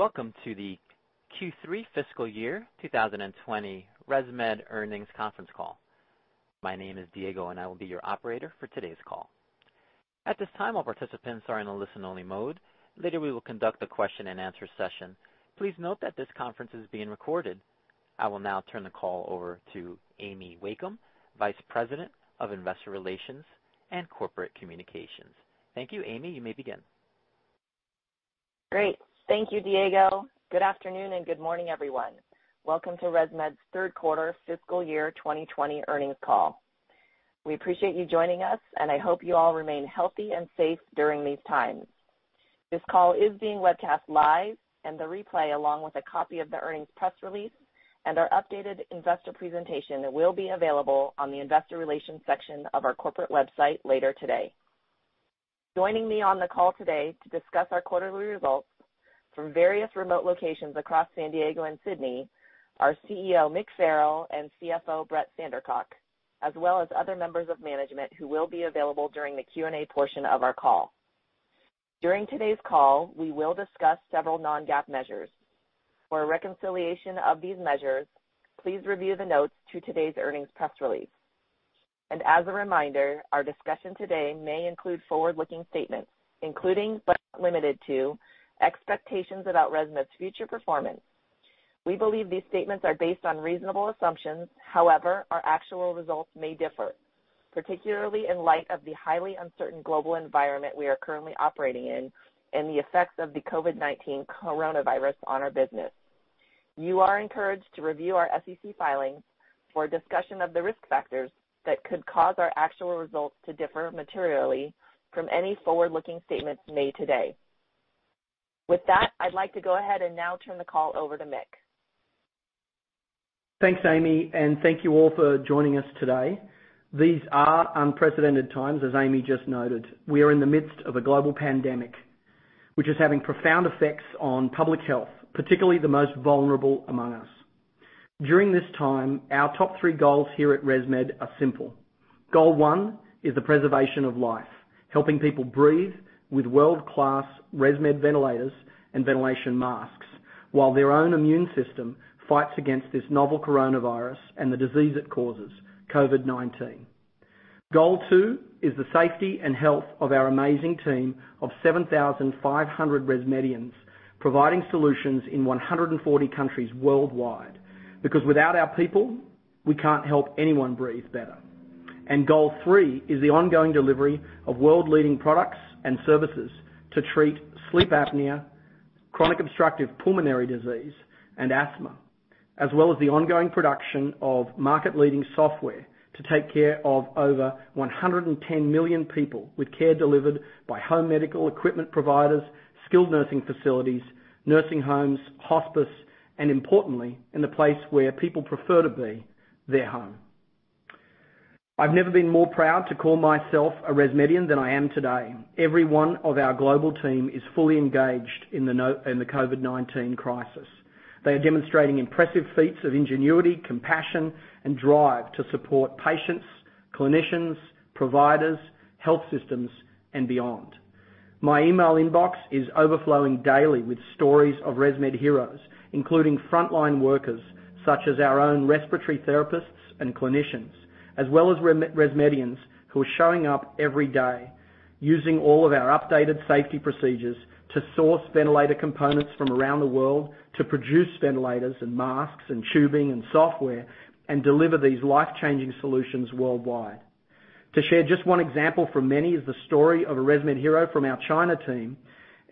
Welcome to the Q3 fiscal year 2020 ResMed earnings conference call. My name is Diego, and I will be your operator for today's call. At this time, all participants are in a listen-only mode. Later, we will conduct a question-and-answer session. Please note that this conference is being recorded. I will now turn the call over to Amy Wakeham, Vice President of Investor Relations and Corporate Communications. Thank you, Amy. You may begin. Great. Thank you, Diego. Good afternoon, and good morning, everyone. Welcome to ResMed's third quarter fiscal year 2020 earnings call. We appreciate you joining us, and I hope you all remain healthy and safe during these times. This call is being webcast live, and the replay, along with a copy of the earnings press release and our updated investor presentation will be available on the Investor Relations section of our corporate website later today. Joining me on the call today to discuss our quarterly results from various remote locations across San Diego and Sydney, are CEO Mick Farrell and CFO Brett Sandercock, as well as other members of management who will be available during the Q&A portion of our call. During today's call, we will discuss several non-GAAP measures. For a reconciliation of these measures, please review the notes to today's earnings press release. As a reminder, our discussion today may include forward-looking statements, including, but not limited to, expectations about ResMed's future performance. We believe these statements are based on reasonable assumptions. However, our actual results may differ, particularly in light of the highly uncertain global environment we are currently operating in and the effects of the COVID-19 coronavirus on our business. You are encouraged to review our SEC filings for a discussion of the risk factors that could cause our actual results to differ materially from any forward-looking statements made today. With that, I'd like to go ahead and now turn the call over to Mick. Thanks, Amy, and thank you all for joining us today. These are unprecedented times, as Amy just noted. We are in the midst of a global pandemic, which is having profound effects on public health, particularly the most vulnerable among us. During this time, our top three goals here at ResMed are simple. Goal one is the preservation of life, helping people breathe with world-class ResMed ventilators and ventilation masks while their own immune system fights against this novel coronavirus and the disease it causes, COVID-19. Goal two is the safety and health of our amazing team of 7,500 ResMedians providing solutions in 140 countries worldwide. Because without our people, we can't help anyone breathe better. Goal three is the ongoing delivery of world-leading products and services to treat sleep apnea, chronic obstructive pulmonary disease, and asthma, as well as the ongoing production of market-leading software to take care of over 110 million people with care delivered by home medical equipment providers, skilled nursing facilities, nursing homes, hospice, and importantly, in the place where people prefer to be, their home. I've never been more proud to call myself a ResMedian than I am today. Every one of our global team is fully engaged in the COVID-19 crisis. They are demonstrating impressive feats of ingenuity, compassion, and drive to support patients, clinicians, providers, health systems, and beyond. My email inbox is overflowing daily with stories of ResMed heroes, including frontline workers such as our own respiratory therapists and clinicians, as well as ResMedians who are showing up every day using all of our updated safety procedures to source ventilator components from around the world to produce ventilators and masks and tubing and software and deliver these life-changing solutions worldwide. To share just one example from many is the story of a ResMed hero from our China team,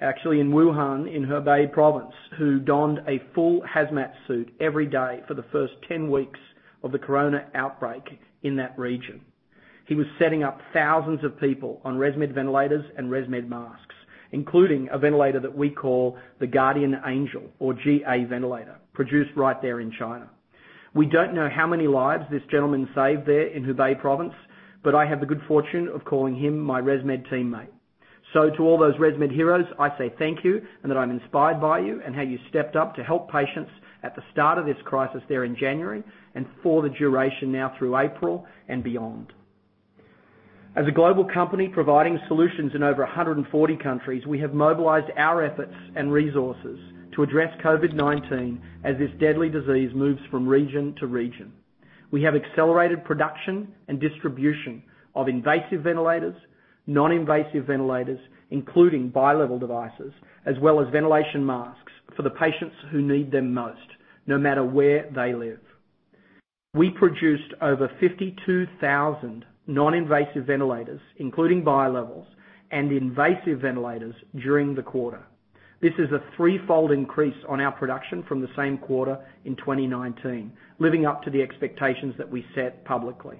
actually in Wuhan, in Hubei province, who donned a full hazmat suit every day for the first 10 weeks of the corona outbreak in that region. He was setting up thousands of people on ResMed ventilators and ResMed masks, including a ventilator that we call the Guardian Angel or GA ventilator, produced right there in China. We don't know how many lives this gentleman saved there in Hubei province, but I have the good fortune of calling him my ResMed teammate. To all those ResMed heroes, I say thank you and that I'm inspired by you and how you stepped up to help patients at the start of this crisis there in January and for the duration now through April and beyond. As a global company providing solutions in over 140 countries, we have mobilized our efforts and resources to address COVID-19 as this deadly disease moves from region to region. We have accelerated production and distribution of invasive ventilators, non-invasive ventilators, including bilevel devices, as well as ventilation masks for the patients who need them most, no matter where they live. We produced over 52,000 non-invasive ventilators, including bilevels and invasive ventilators during the quarter. This is a threefold increase on our production from the same quarter in 2019, living up to the expectations that we set publicly.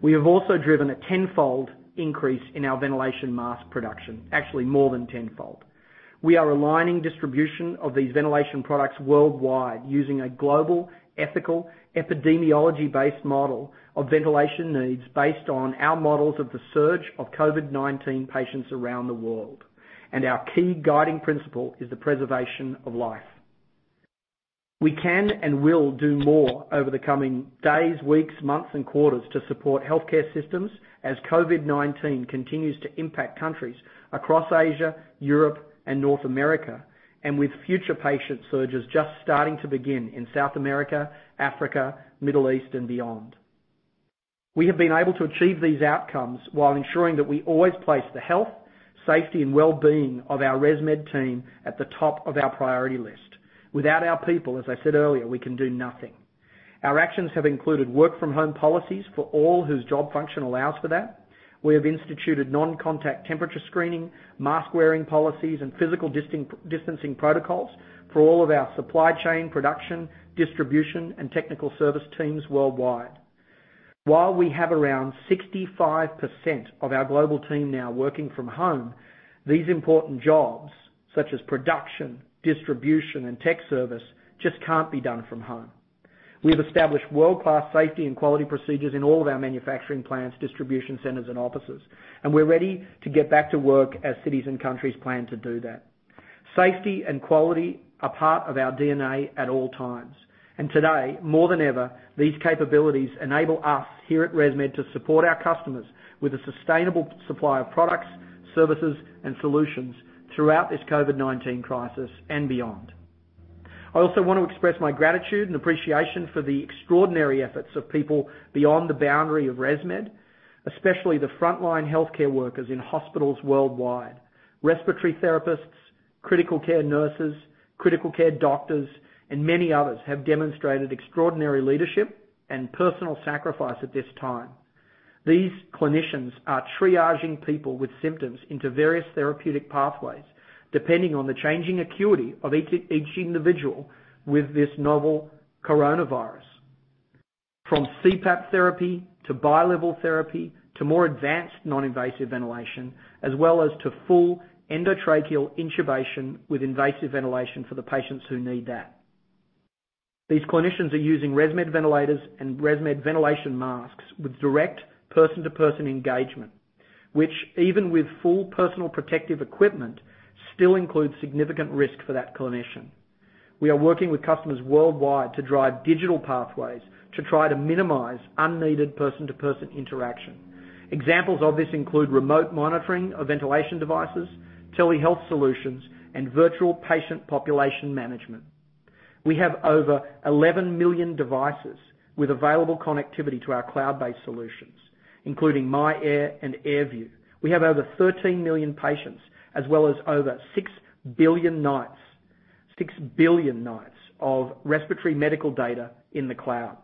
We have also driven a tenfold increase in our ventilation mask production. Actually, more than tenfold. We are aligning distribution of these ventilation products worldwide using a global, ethical, epidemiology-based model of ventilation needs based on our models of the surge of COVID-19 patients around the world. Our key guiding principle is the preservation of life. We can and will do more over the coming days, weeks, months, and quarters to support healthcare systems as COVID-19 continues to impact countries across Asia, Europe, and North America, and with future patient surges just starting to begin in South America, Africa, Middle East, and beyond. We have been able to achieve these outcomes while ensuring that we always place the health, safety, and wellbeing of our ResMed team at the top of our priority list. Without our people, as I said earlier, we can do nothing. Our actions have included work-from-home policies for all whose job function allows for that. We have instituted non-contact temperature screening, mask-wearing policies, and physical distancing protocols for all of our supply chain, production, distribution, and technical service teams worldwide. While we have around 65% of our global team now working from home, these important jobs, such as production, distribution, and tech service, just can't be done from home. We have established world-class safety and quality procedures in all of our manufacturing plants, distribution centers, and offices, and we're ready to get back to work as cities and countries plan to do that. Safety and quality are part of our DNA at all times. Today, more than ever, these capabilities enable us here at ResMed to support our customers with a sustainable supply of products, services, and solutions throughout this COVID-19 crisis and beyond. I also want to express my gratitude and appreciation for the extraordinary efforts of people beyond the boundary of ResMed, especially the frontline healthcare workers in hospitals worldwide. Respiratory therapists, critical care nurses, critical care doctors, and many others have demonstrated extraordinary leadership and personal sacrifice at this time. These clinicians are triaging people with symptoms into various therapeutic pathways, depending on the changing acuity of each individual with this novel coronavirus, from CPAP therapy to bilevel therapy, to more advanced non-invasive ventilation, as well as to full endotracheal intubation with invasive ventilation for the patients who need that. These clinicians are using ResMed ventilators and ResMed ventilation masks with direct person-to-person engagement, which, even with full personal protective equipment, still includes significant risk for that clinician. We are working with customers worldwide to drive digital pathways to try to minimize unneeded person-to-person interaction. Examples of this include remote monitoring of ventilation devices, telehealth solutions, and virtual patient population management. We have over 11 million devices with available connectivity to our cloud-based solutions, including myAir and AirView. We have over 13 million patients, as well as over six billion nights of respiratory medical data in the cloud.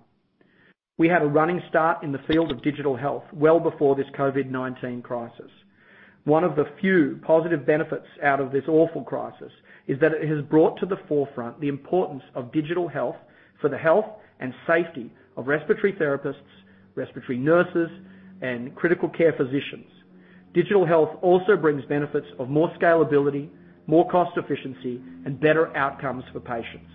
We had a running start in the field of digital health well before this COVID-19 crisis. One of the few positive benefits out of this awful crisis is that it has brought to the forefront the importance of digital health for the health and safety of respiratory therapists, respiratory nurses, and critical care physicians. Digital health also brings benefits of more scalability, more cost efficiency, and better outcomes for patients.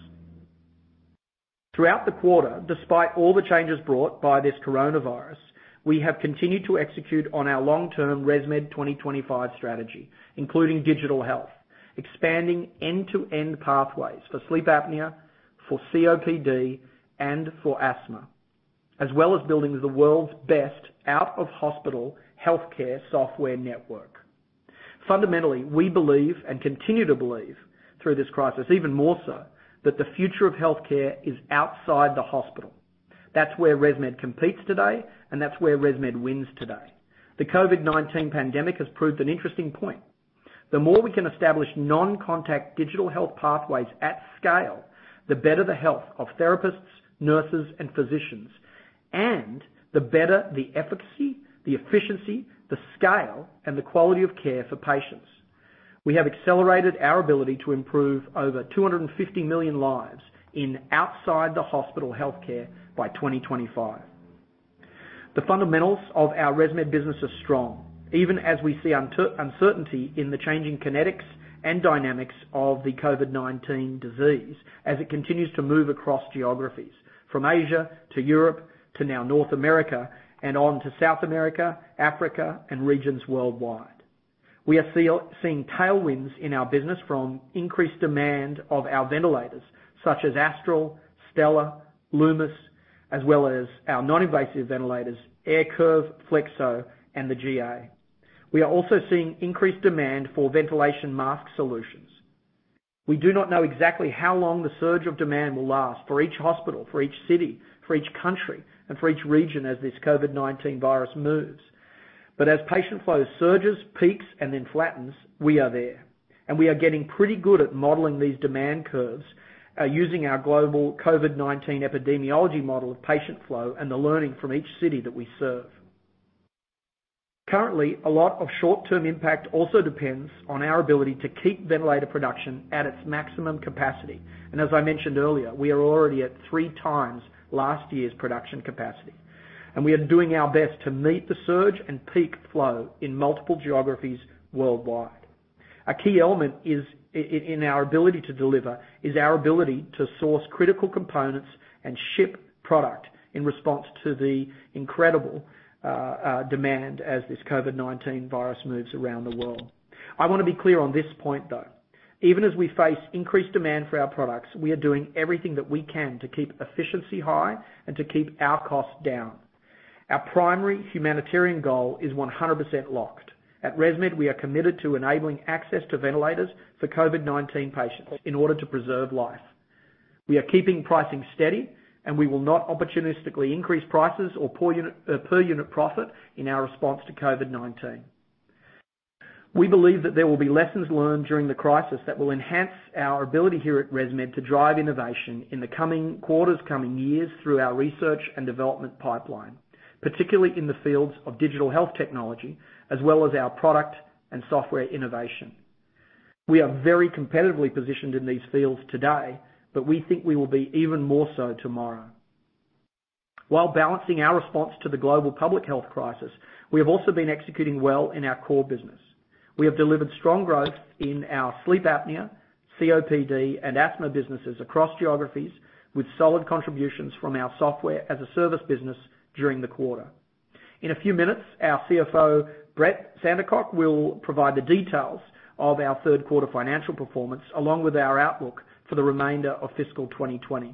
Throughout the quarter, despite all the changes brought by this coronavirus, we have continued to execute on our long-term ResMed 2025 strategy, including digital health, expanding end-to-end pathways for sleep apnea, for COPD, and for asthma, as well as building the world's best out-of-hospital healthcare software network. Fundamentally, we believe and continue to believe through this crisis even more so, that the future of healthcare is outside the hospital. That's where ResMed competes today, and that's where ResMed wins today. The COVID-19 pandemic has proved an interesting point. The more we can establish non-contact digital health pathways at scale, the better the health of therapists, nurses, and physicians, and the better the efficacy, the efficiency, the scale, and the quality of care for patients. We have accelerated our ability to improve over 250 million lives in outside-the-hospital healthcare by 2025. The fundamentals of our ResMed business are strong, even as we see uncertainty in the changing kinetics and dynamics of the COVID-19 disease as it continues to move across geographies, from Asia to Europe to now North America, on to South America, Africa, and regions worldwide. We are seeing tailwinds in our business from increased demand of our ventilators, such as Astral, Stellar, Lumis, as well as our non-invasive ventilators, AirCurve, Flexo, and the GA. We are also seeing increased demand for ventilation mask solutions. We do not know exactly how long the surge of demand will last for each hospital, for each city, for each country, and for each region as this COVID-19 virus moves. As patient flow surges, peaks, and then flattens, we are there. We are getting pretty good at modeling these demand curves using our global COVID-19 epidemiology model of patient flow and the learning from each city that we serve. Currently, a lot of short-term impact also depends on our ability to keep ventilator production at its maximum capacity. As I mentioned earlier, we are already at 3x last year's production capacity. We are doing our best to meet the surge and peak flow in multiple geographies worldwide. A key element in our ability to deliver is our ability to source critical components and ship product in response to the incredible demand as this COVID-19 virus moves around the world. I want to be clear on this point, though. Even as we face increased demand for our products, we are doing everything that we can to keep efficiency high and to keep our costs down. Our primary humanitarian goal is 100% locked. At ResMed, we are committed to enabling access to ventilators for COVID-19 patients in order to preserve life. We are keeping pricing steady, and we will not opportunistically increase prices or per unit profit in our response to COVID-19. We believe that there will be lessons learned during the crisis that will enhance our ability here at ResMed to drive innovation in the coming quarters, coming years through our research and development pipeline, particularly in the fields of digital health technology, as well as our product and software innovation. We are very competitively positioned in these fields today, but we think we will be even more so tomorrow. While balancing our response to the global public health crisis, we have also been executing well in our core business. We have delivered strong growth in our sleep apnea, COPD, and asthma businesses across geographies, with solid contributions from our software-as-a-service business during the quarter. In a few minutes, our CFO, Brett Sandercock, will provide the details of our third quarter financial performance, along with our outlook for the remainder of fiscal 2020.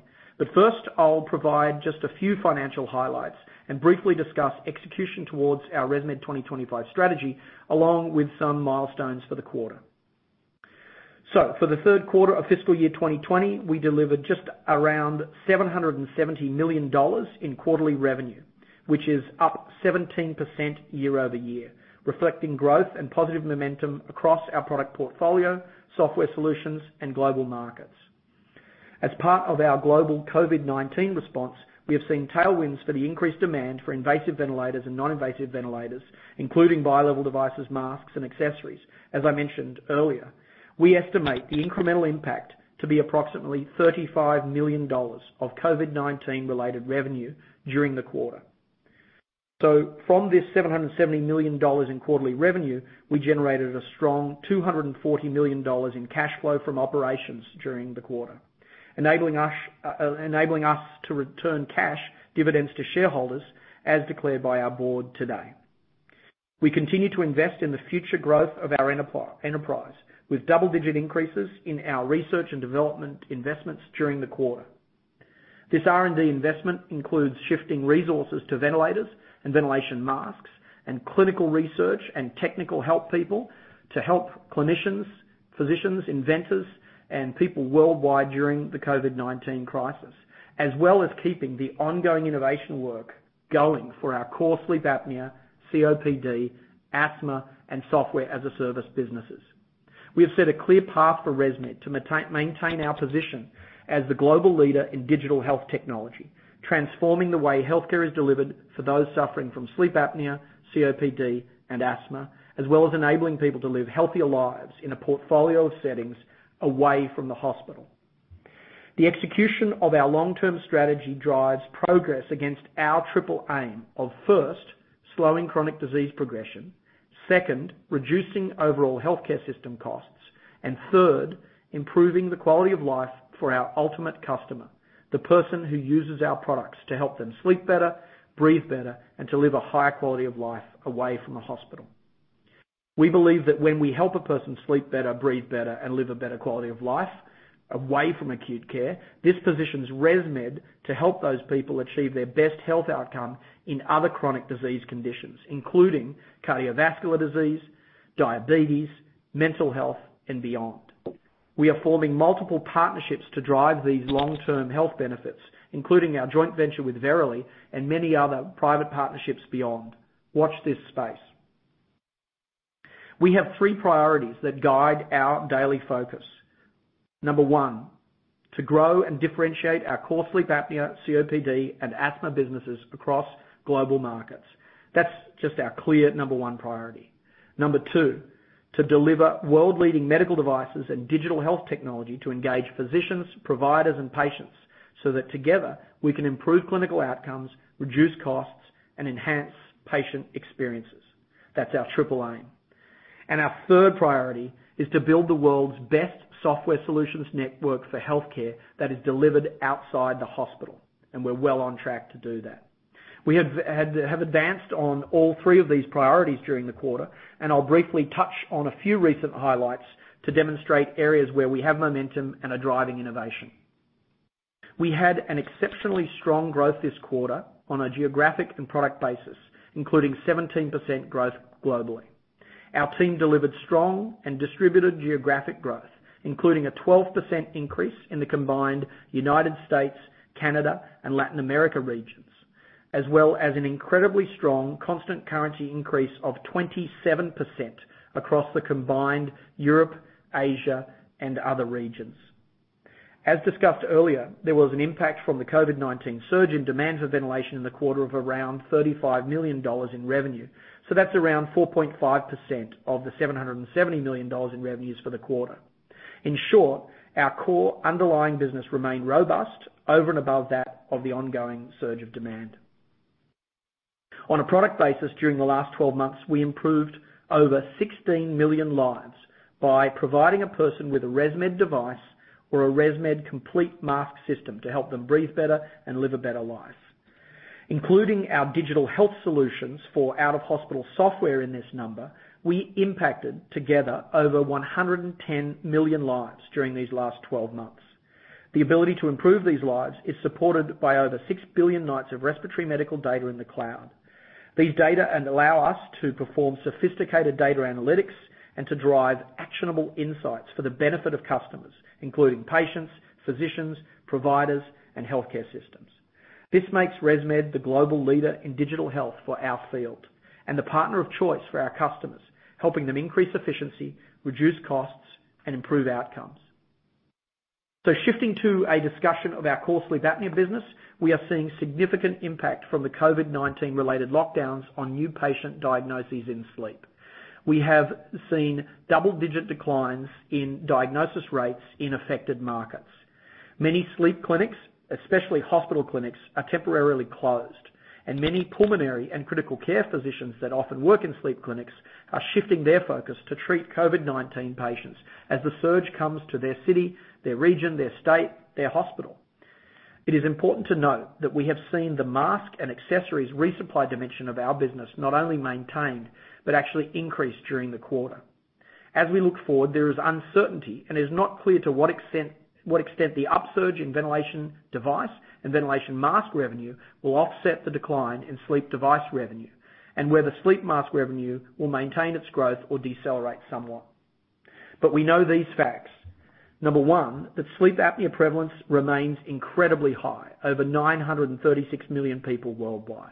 First, I'll provide just a few financial highlights and briefly discuss execution towards our ResMed 2025 strategy, along with some milestones for the quarter. For the third quarter of fiscal year 2020, we delivered just around $770 million in quarterly revenue, which is up 17% year-over-year, reflecting growth and positive momentum across our product portfolio, software solutions, and global markets. As part of our global COVID-19 response, we have seen tailwinds for the increased demand for invasive ventilators and non-invasive ventilators, including bilevel devices, masks, and accessories. As I mentioned earlier, we estimate the incremental impact to be approximately $35 million of COVID-19 related revenue during the quarter. From this $770 million in quarterly revenue, we generated a strong $240 million in cash flow from operations during the quarter, enabling us to return cash dividends to shareholders, as declared by our board today. We continue to invest in the future growth of our enterprise, with double-digit increases in our research and development investments during the quarter. This R&D investment includes shifting resources to ventilators and ventilation masks, and clinical research and technical help people to help clinicians, physicians, inventors, and people worldwide during the COVID-19 crisis, as well as keeping the ongoing innovation work going for our core sleep apnea, COPD, asthma, and software-as-a-service businesses. We have set a clear path for ResMed to maintain our position as the global leader in digital health technology, transforming the way healthcare is delivered for those suffering from sleep apnea, COPD, and asthma, as well as enabling people to live healthier lives in a portfolio of settings away from the hospital. The execution of our long-term strategy drives progress against our triple aim of, first, slowing chronic disease progression. Second, reducing overall healthcare system costs. Third, improving the quality of life for our ultimate customer, the person who uses our products to help them sleep better, breathe better, and to live a higher quality of life away from the hospital. We believe that when we help a person sleep better, breathe better, and live a better quality of life away from acute care, this positions ResMed to help those people achieve their best health outcome in other chronic disease conditions, including cardiovascular disease, diabetes, mental health, and beyond. We are forming multiple partnerships to drive these long-term health benefits, including our joint venture with Verily. Many other private partnerships beyond. Watch this space. We have three priorities that guide our daily focus. Number one, to grow and differentiate our core sleep apnea, COPD, and asthma businesses across global markets. That's just our clear number one priority. Number two, to deliver world-leading medical devices and digital health technology to engage physicians, providers, and patients so that together we can improve clinical outcomes, reduce costs, and enhance patient experiences. That's our triple aim. Our third priority is to build the world's best software solutions network for healthcare that is delivered outside the hospital, and we're well on track to do that. We have advanced on all three of these priorities during the quarter, and I'll briefly touch on a few recent highlights to demonstrate areas where we have momentum and are driving innovation. We had an exceptionally strong growth this quarter on a geographic and product basis, including 17% growth globally. Our team delivered strong and distributed geographic growth, including a 12% increase in the combined U.S., Canada, and Latin America regions, as well as an incredibly strong constant currency increase of 27% across the combined Europe, Asia, and other regions. Discussed earlier, there was an impact from the COVID-19 surge in demands of ventilation in the quarter of around $35 million in revenue. That's around 4.5% of the $770 million in revenues for the quarter. In short, our core underlying business remained robust over and above that of the ongoing surge of demand. On a product basis, during the last 12 months, we improved over 16 million lives by providing a person with a ResMed device or a ResMed complete mask system to help them breathe better and live a better life. Including our digital health solutions for out-of-hospital software in this number, we impacted together over 110 million lives during these last 12 months. The ability to improve these lives is supported by over six billion nights of respiratory medical data in the cloud. These data allow us to perform sophisticated data analytics and to drive actionable insights for the benefit of customers, including patients, physicians, providers, and healthcare systems. This makes ResMed the global leader in digital health for our field and the partner of choice for our customers, helping them increase efficiency, reduce costs, and improve outcomes. Shifting to a discussion of our core sleep apnea business, we are seeing significant impact from the COVID-19 related lockdowns on new patient diagnoses in sleep. We have seen double-digit declines in diagnosis rates in affected markets. Many sleep clinics, especially hospital clinics, are temporarily closed, and many pulmonary and critical care physicians that often work in sleep clinics are shifting their focus to treat COVID-19 patients as the surge comes to their city, their region, their state, their hospital. It is important to note that we have seen the mask and accessories resupply dimension of our business not only maintained, but actually increased during the quarter. As we look forward, there is uncertainty, and it is not clear to what extent the upsurge in ventilation device and ventilation mask revenue will offset the decline in sleep device revenue and whether sleep mask revenue will maintain its growth or decelerate somewhat. We know these facts. Number one, that sleep apnea prevalence remains incredibly high, over 936 million people worldwide.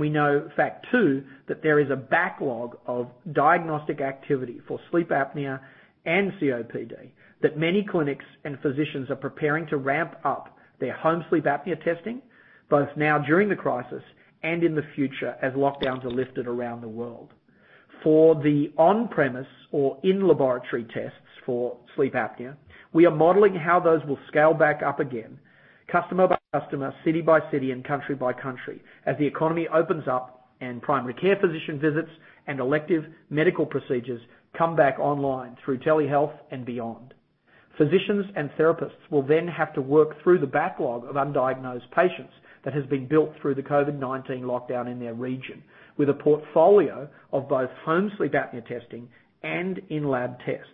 We know, fact two, that there is a backlog of diagnostic activity for sleep apnea and COPD that many clinics and physicians are preparing to ramp up their home sleep apnea testing, both now during the crisis and in the future as lockdowns are lifted around the world. For the on-premise or in-laboratory tests for sleep apnea, we are modeling how those will scale back up again, customer by customer, city by city, and country by country, as the economy opens up and primary care physician visits and elective medical procedures come back online through telehealth and beyond. Physicians and therapists will then have to work through the backlog of undiagnosed patients that has been built through the COVID-19 lockdown in their region with a portfolio of both home sleep apnea testing and in-lab tests.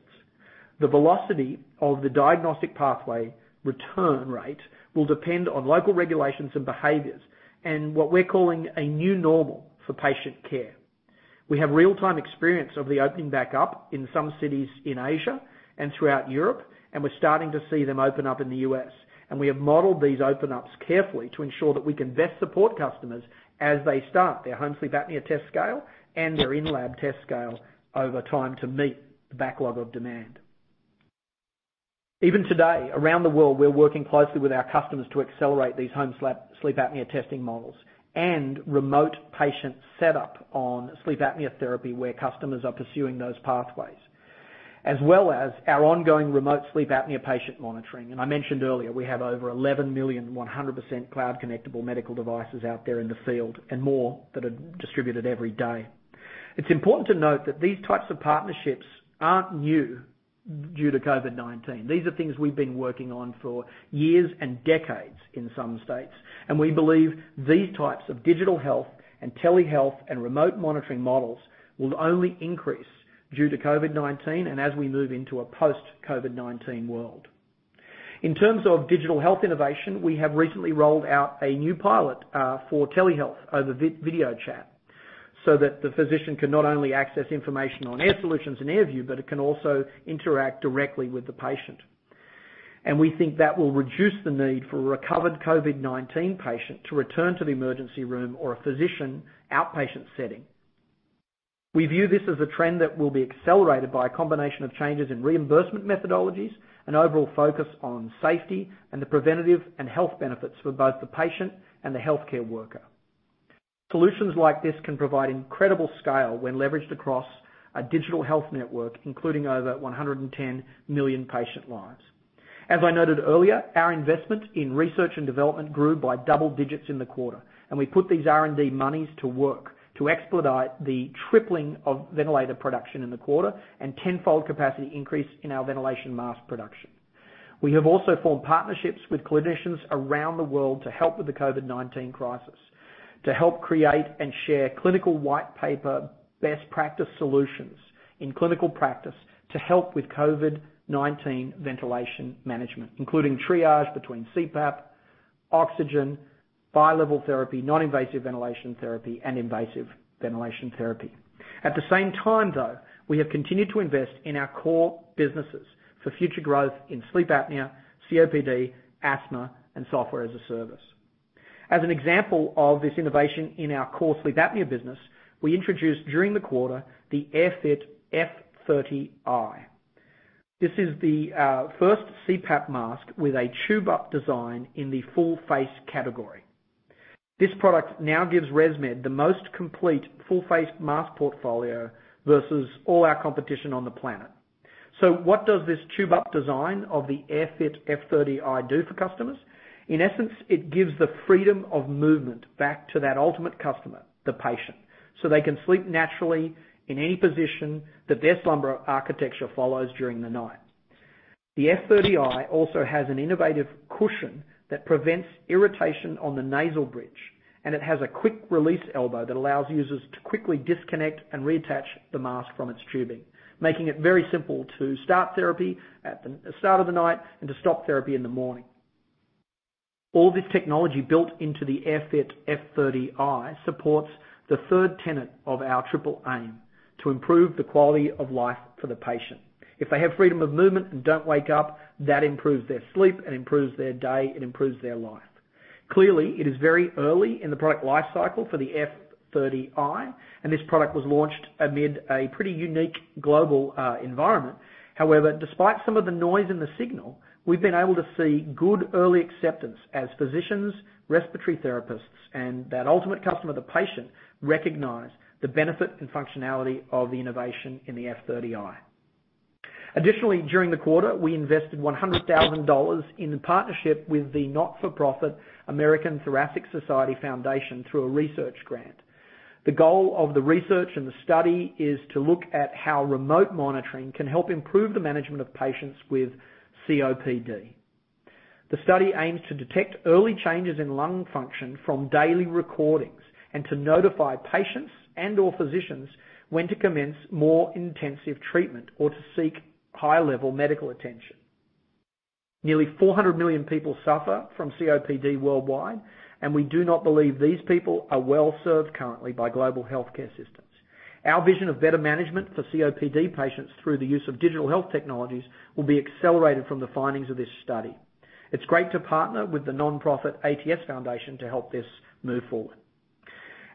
The velocity of the diagnostic pathway return rate will depend on local regulations and behaviors and what we're calling a new normal for patient care. We have real-time experience of the opening back up in some cities in Asia and throughout Europe, and we're starting to see them open up in the U.S. We have modeled these open-ups carefully to ensure that we can best support customers as they start their home sleep apnea test scale and their in-lab test scale over time to meet the backlog of demand. Even today, around the world, we're working closely with our customers to accelerate these home sleep apnea testing models and remote patient setup on sleep apnea therapy where customers are pursuing those pathways, as well as our ongoing remote sleep apnea patient monitoring. I mentioned earlier, we have over 11 million, 100% cloud-connectable medical devices out there in the field and more that are distributed every day. It's important to note that these types of partnerships aren't new due to COVID-19. These are things we've been working on for years and decades in some states. We believe these types of digital health and telehealth and remote monitoring models will only increase due to COVID-19 and as we move into a post-COVID-19 world. In terms of digital health innovation, we have recently rolled out a new pilot for telehealth over video chat so that the physician can not only access information on AirSolutions and AirView, but it can also interact directly with the patient. We think that will reduce the need for a recovered COVID-19 patient to return to the emergency room or a physician outpatient setting. We view this as a trend that will be accelerated by a combination of changes in reimbursement methodologies, an overall focus on safety, and the preventative and health benefits for both the patient and the healthcare worker. Solutions like this can provide incredible scale when leveraged across a digital health network, including over 110 million patient lives. As I noted earlier, our investment in research and development grew by double-digits in the quarter, and we put these R&D monies to work to expedite the tripling of ventilator production in the quarter and tenfold capacity increase in our ventilation mask production. We have also formed partnerships with clinicians around the world to help with the COVID-19 crisis, to help create and share clinical white paper best practice solutions in clinical practice to help with COVID-19 ventilation management, including triage between CPAP, oxygen, bilevel therapy, non-invasive ventilation therapy, and invasive ventilation therapy. At the same time, though, we have continued to invest in our core businesses for future growth in sleep apnea, COPD, asthma, and software-as-a-service. As an example of this innovation in our core sleep apnea business, we introduced during the quarter the AirFit F30i. This is the first CPAP mask with a tube up design in the full face category. This product now gives ResMed the most complete full face mask portfolio versus all our competition on the planet. What does this tube up design of the AirFit F30i do for customers? In essence, it gives the freedom of movement back to that ultimate customer, the patient, so they can sleep naturally in any position that their slumber architecture follows during the night. The F30i also has an innovative cushion that prevents irritation on the nasal bridge. It has a quick-release elbow that allows users to quickly disconnect and reattach the mask from its tubing, making it very simple to start therapy at the start of the night and to stop therapy in the morning. All this technology built into the AirFit F30i supports the third tenet of our triple aim, to improve the quality of life for the patient. If they have freedom of movement and don't wake up, that improves their sleep, and improves their day, and improves their life. Clearly, it is very early in the product lifecycle for the F30i, and this product was launched amid a pretty unique global environment. Despite some of the noise in the signal, we've been able to see good early acceptance as physicians, respiratory therapists, and that ultimate customer, the patient, recognize the benefit and functionality of the innovation in the F30i. During the quarter, we invested $100,000 in partnership with the not-for-profit American Thoracic Society Foundation through a research grant. The goal of the research and the study is to look at how remote monitoring can help improve the management of patients with COPD. The study aims to detect early changes in lung function from daily recordings, and to notify patients and/or physicians when to commence more intensive treatment or to seek high-level medical attention. Nearly 400 million people suffer from COPD worldwide. We do not believe these people are well-served currently by global healthcare systems. Our vision of better management for COPD patients through the use of digital health technologies will be accelerated from the findings of this study. It's great to partner with the nonprofit ATS Foundation to help this move forward.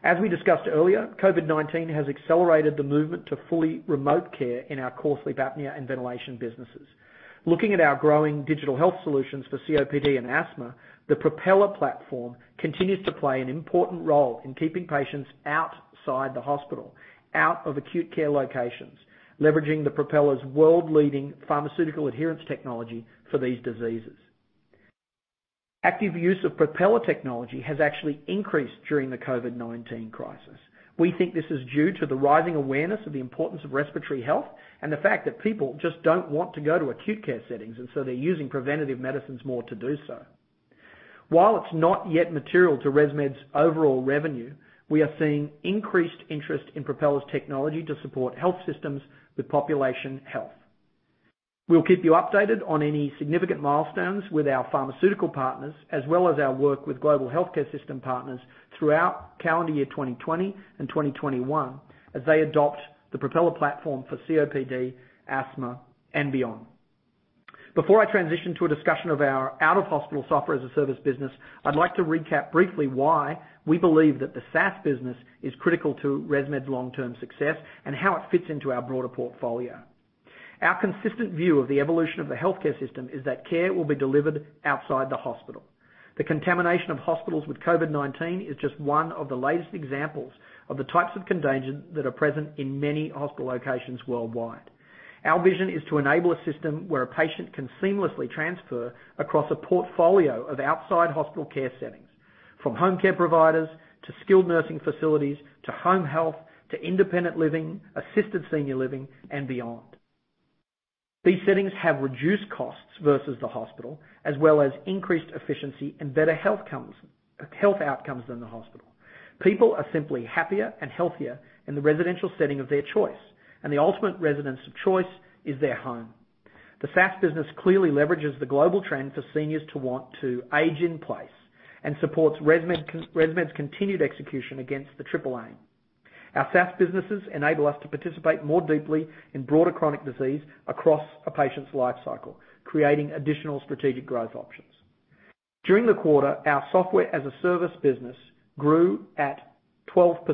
As we discussed earlier, COVID-19 has accelerated the movement to fully remote care in our core sleep apnea and ventilation businesses. Looking at our growing digital health solutions for COPD and asthma, the Propeller platform continues to play an important role in keeping patients outside the hospital, out of acute care locations, leveraging the Propeller's world-leading pharmaceutical adherence technology for these diseases. Active use of Propeller technology has actually increased during the COVID-19 crisis. We think this is due to the rising awareness of the importance of respiratory health and the fact that people just don't want to go to acute care settings, and so they're using preventative medicines more to do so. While it's not yet material to ResMed's overall revenue, we are seeing increased interest in Propeller's technology to support health systems with population health. We'll keep you updated on any significant milestones with our pharmaceutical partners, as well as our work with global healthcare system partners throughout calendar year 2020 and 2021 as they adopt the Propeller platform for COPD, asthma, and beyond. Before I transition to a discussion of our out-of-hospital software-as-a-service business, I'd like to recap briefly why we believe that the SaaS business is critical to ResMed's long-term success and how it fits into our broader portfolio. Our consistent view of the evolution of the healthcare system is that care will be delivered outside the hospital. The contamination of hospitals with COVID-19 is just one of the latest examples of the types of contagion that are present in many hospital locations worldwide. Our vision is to enable a system where a patient can seamlessly transfer across a portfolio of outside hospital care settings, from home care providers to skilled nursing facilities to home health to independent living, assisted senior living, and beyond. These settings have reduced costs versus the hospital, as well as increased efficiency and better health outcomes than the hospital. People are simply happier and healthier in the residential setting of their choice, and the ultimate residence of choice is their home. The SaaS business clearly leverages the global trend for seniors to want to age in place and supports ResMed's continued execution against the triple aim. Our SaaS businesses enable us to participate more deeply in broader chronic disease across a patient's lifecycle, creating additional strategic growth options. During the quarter, our software-as-a-service business grew at 12%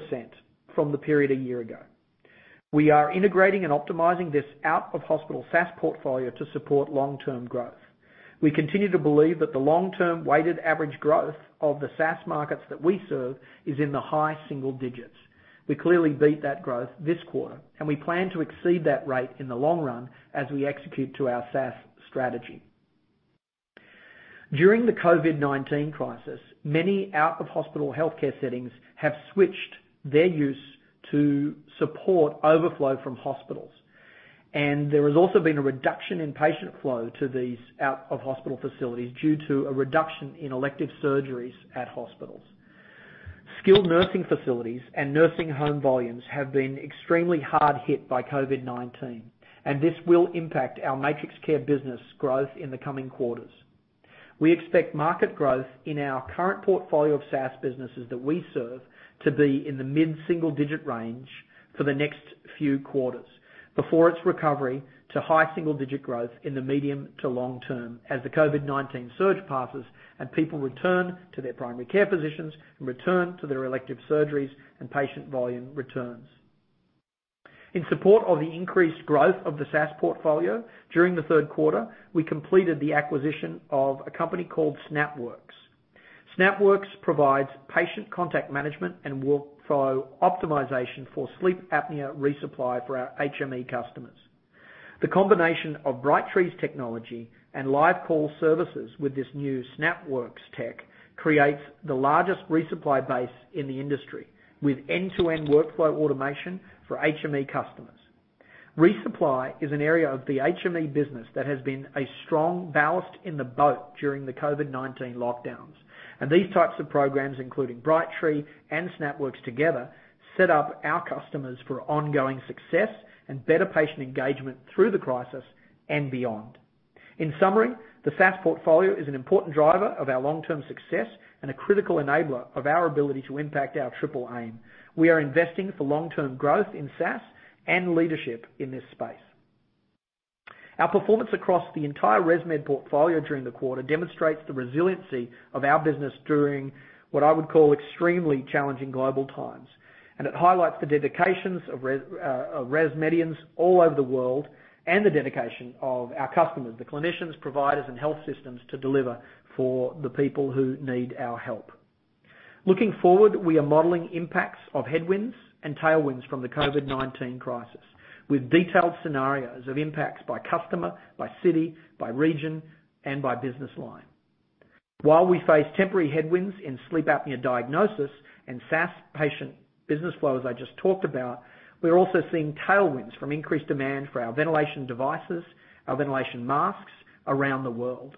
from the period a year ago. We are integrating and optimizing this out-of-hospital SaaS portfolio to support long-term growth. We continue to believe that the long-term weighted average growth of the SaaS markets that we serve is in the high single digits. We clearly beat that growth this quarter, and we plan to exceed that rate in the long run as we execute to our SaaS strategy. During the COVID-19 crisis, many out-of-hospital healthcare settings have switched their use to support overflow from hospitals. There has also been a reduction in patient flow to these out-of-hospital facilities due to a reduction in elective surgeries at hospitals. Skilled nursing facilities and nursing home volumes have been extremely hard hit by COVID-19. This will impact our MatrixCare business growth in the coming quarters. We expect market growth in our current portfolio of SaaS businesses that we serve to be in the mid-single-digit range for the next few quarters before its recovery to high single-digit growth in the medium to long term as the COVID-19 surge passes and people return to their primary care physicians and return to their elective surgeries and patient volume returns. In support of the increased growth of the SaaS portfolio, during the third quarter, we completed the acquisition of a company called SnapWorx. SnapWorx provides patient contact management and workflow optimization for sleep apnea resupply for our HME customers. The combination of Brightree's technology and live call services with this new SnapWorx tech creates the largest resupply base in the industry, with end-to-end workflow automation for HME customers. Resupply is an area of the HME business that has been a strong ballast in the boat during the COVID-19 lockdowns. These types of programs, including Brightree and SnapWorx together, set up our customers for ongoing success and better patient engagement through the crisis and beyond. In summary, the SaaS portfolio is an important driver of our long-term success and a critical enabler of our ability to impact our triple aim. We are investing for long-term growth in SaaS and leadership in this space. Our performance across the entire ResMed portfolio during the quarter demonstrates the resiliency of our business during what I would call extremely challenging global times. It highlights the dedications of ResMedians all over the world, and the dedication of our customers, the clinicians, providers, and health systems to deliver for the people who need our help. Looking forward, we are modeling impacts of headwinds and tailwinds from the COVID-19 crisis, with detailed scenarios of impacts by customer, by city, by region, and by business line. While we face temporary headwinds in sleep apnea diagnosis and SaaS patient business flow, as I just talked about, we are also seeing tailwinds from increased demand for our ventilation devices, our ventilation masks around the world.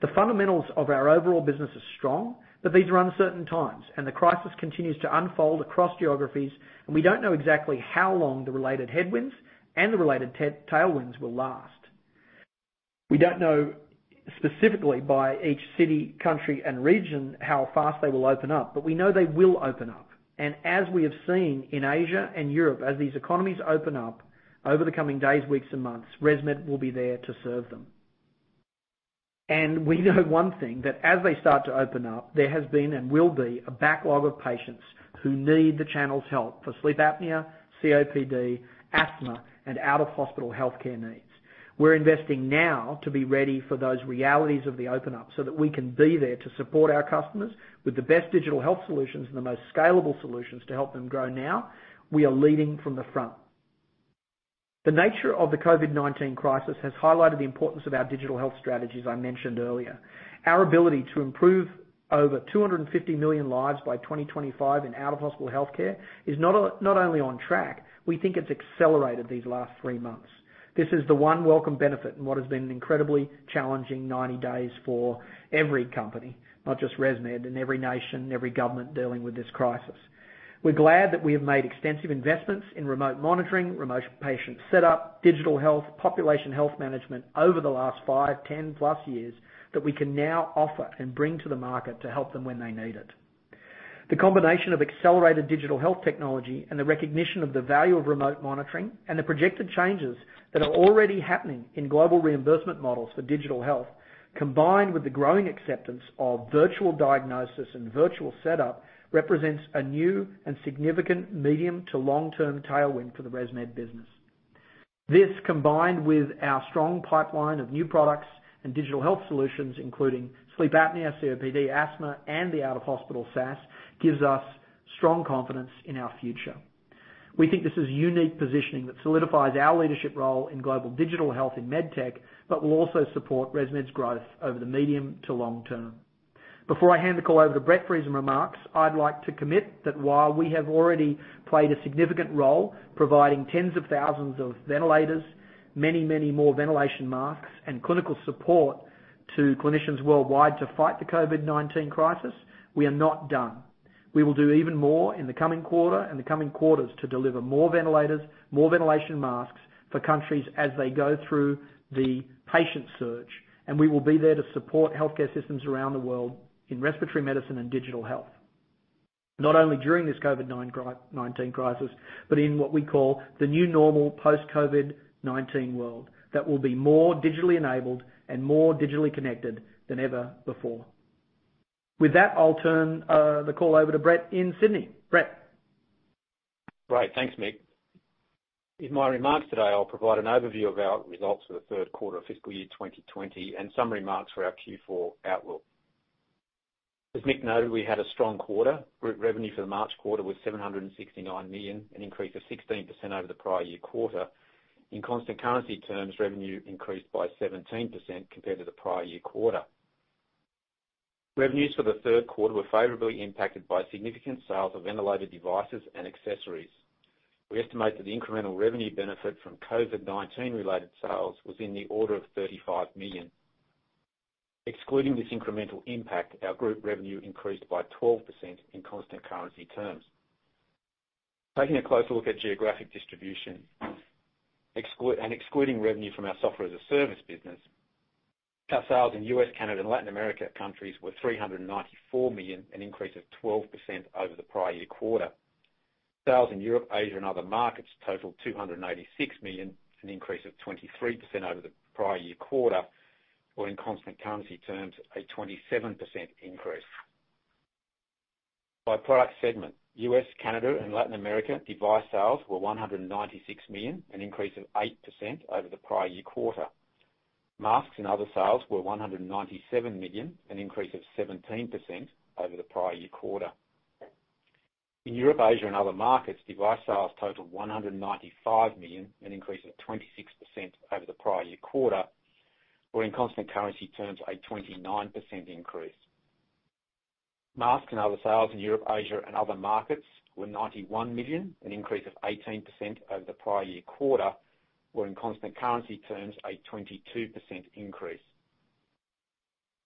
The fundamentals of our overall business are strong. These are uncertain times. The crisis continues to unfold across geographies. We don't know exactly how long the related headwinds and the related tailwinds will last. We don't know specifically by each city, country, and region how fast they will open up. We know they will open up. As we have seen in Asia and Europe, as these economies open up over the coming days, weeks, and months, ResMed will be there to serve them. We know one thing, that as they start to open up, there has been and will be a backlog of patients who need the channel's help for sleep apnea, COPD, asthma, and out-of-hospital healthcare needs. We're investing now to be ready for those realities of the open-up so that we can be there to support our customers with the best digital health solutions and the most scalable solutions to help them grow now. The nature of the COVID-19 crisis has highlighted the importance of our digital health strategies I mentioned earlier. Our ability to improve over 250 million lives by 2025 in out-of-hospital healthcare is not only on track, we think it's accelerated these last three months. This is the one welcome benefit in what has been an incredibly challenging 90 days for every company, not just ResMed, and every nation and every government dealing with this crisis. We're glad that we have made extensive investments in remote monitoring, remote patient setup, digital health, population health management over the last five, 10-plus years that we can now offer and bring to the market to help them when they need it. The combination of accelerated digital health technology and the recognition of the value of remote monitoring and the projected changes that are already happening in global reimbursement models for digital health, combined with the growing acceptance of virtual diagnosis and virtual setup, represents a new and significant medium to long-term tailwind for the ResMed business. This, combined with our strong pipeline of new products and digital health solutions, including sleep apnea, COPD, asthma, and the out-of-hospital SaaS, gives us strong confidence in our future. We think this is unique positioning that solidifies our leadership role in global digital health and med tech, but will also support ResMed's growth over the medium to long term. Before I hand the call over to Brett for his remarks, I'd like to commit that while we have already played a significant role providing tens of thousands of ventilators, many, many more ventilation masks and clinical support to clinicians worldwide to fight the COVID-19 crisis, we are not done. We will do even more in the coming quarter and the coming quarters to deliver more ventilators, more ventilation masks for countries as they go through the patient surge, and we will be there to support healthcare systems around the world in respiratory medicine and digital health. Not only during this COVID-19 crisis, but in what we call the new normal post-COVID-19 world that will be more digitally enabled and more digitally connected than ever before. With that, I'll turn the call over to Brett in Sydney. Brett? Great. Thanks, Mick. In my remarks today, I'll provide an overview of our results for the third quarter of fiscal year 2020 and some remarks for our Q4 outlook. As Mick noted, we had a strong quarter. Group revenue for the March quarter was $769 million, an increase of 16% over the prior year quarter. In constant currency terms, revenue increased by 17% compared to the prior year quarter. Revenues for the third quarter were favorably impacted by significant sales of ventilator devices and accessories. We estimate that the incremental revenue benefit from COVID-19-related sales was in the order of $35 million. Excluding this incremental impact, our group revenue increased by 12% in constant currency terms. Taking a closer look at geographic distribution and excluding revenue from our software as a service business, our sales in U.S., Canada, and Latin America countries were $394 million, an increase of 12% over the prior year quarter. Sales in Europe, Asia, and other markets totaled $286 million, an increase of 23% over the prior year quarter, or in constant currency terms, a 27% increase. By product segment, U.S., Canada, and Latin America device sales were $196 million, an increase of 8% over the prior year quarter. Masks and other sales were $197 million, an increase of 17% over the prior year quarter. In Europe, Asia, and other markets, device sales totaled $195 million, an increase of 26% over the prior year quarter, or in constant currency terms, a 29% increase. Masks and other sales in Europe, Asia, other markets were $91 million, an increase of 18% over the prior year quarter, or in constant currency terms, a 22% increase.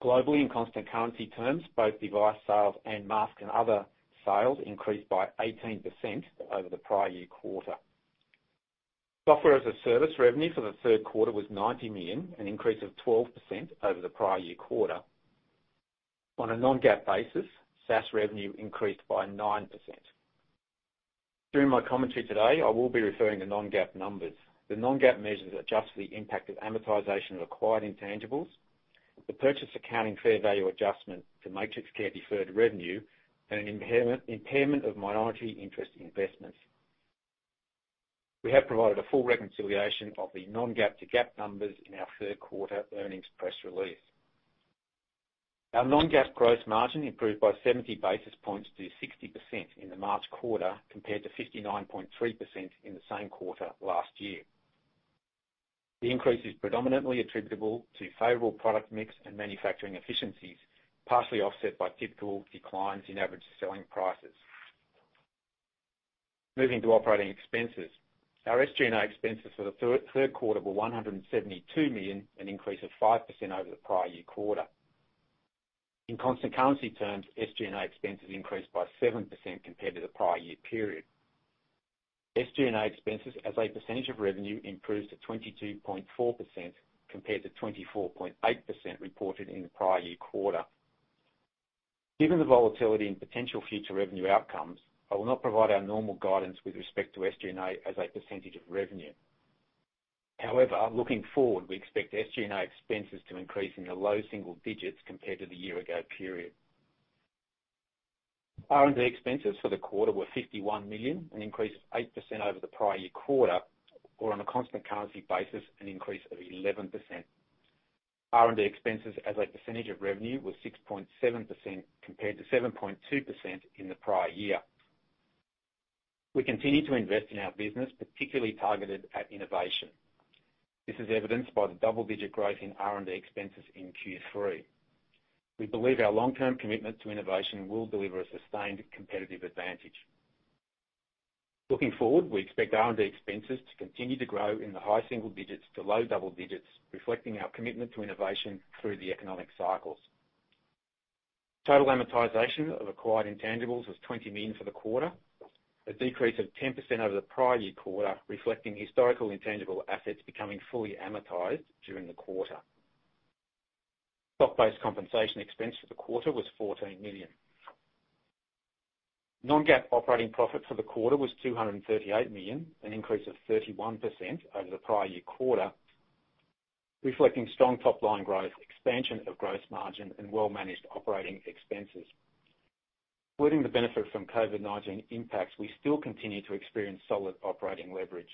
Globally, in constant currency terms, both device sales and mask other sales increased by 18% over the prior year quarter. Software-as-a-service revenue for the third quarter was $90 million, an increase of 12% over the prior year quarter. On a non-GAAP basis, SaaS revenue increased by 9%. During my commentary today, I will be referring to non-GAAP numbers. The non-GAAP measures adjust for the impact of amortization of acquired intangibles, the purchase accounting fair value adjustment to MatrixCare deferred revenue, and an impairment of minority interest investments. We have provided a full reconciliation of the non-GAAP to GAAP numbers in our third quarter earnings press release. Our non-GAAP gross margin improved by 70 basis points to 60% in the March quarter, compared to 59.3% in the same quarter last year. The increase is predominantly attributable to favorable product mix and manufacturing efficiencies, partially offset by typical declines in average selling prices. Moving to operating expenses. Our SG&A expenses for the third quarter were $172 million, an increase of 5% over the prior year quarter. In constant currency terms, SG&A expenses increased by 7% compared to the prior year period. SG&A expenses as a percentage of revenue improved to 22.4%, compared to 24.8% reported in the prior year quarter. Given the volatility in potential future revenue outcomes, I will not provide our normal guidance with respect to SG&A as a percentage of revenue. However, looking forward, we expect SG&A expenses to increase in the low single digits compared to the year ago period. R&D expenses for the quarter were $51 million, an increase of 8% over the prior year quarter, or on a constant currency basis, an increase of 11%. R&D expenses as a percentage of revenue were 6.7%, compared to 7.2% in the prior year. We continue to invest in our business, particularly targeted at innovation. This is evidenced by the double-digit growth in R&D expenses in Q3. We believe our long-term commitment to innovation will deliver a sustained competitive advantage. Looking forward, we expect R&D expenses to continue to grow in the high single digits to low double digits, reflecting our commitment to innovation through the economic cycles. Total amortization of acquired intangibles was $20 million for the quarter, a decrease of 10% over the prior year quarter, reflecting historical intangible assets becoming fully amortized during the quarter. Stock-based compensation expense for the quarter was $14 million. Non-GAAP operating profit for the quarter was $238 million, an increase of 31% over the prior year quarter, reflecting strong top-line growth, expansion of gross margin, and well-managed operating expenses. Excluding the benefit from COVID-19 impacts, we still continue to experience solid operating leverage.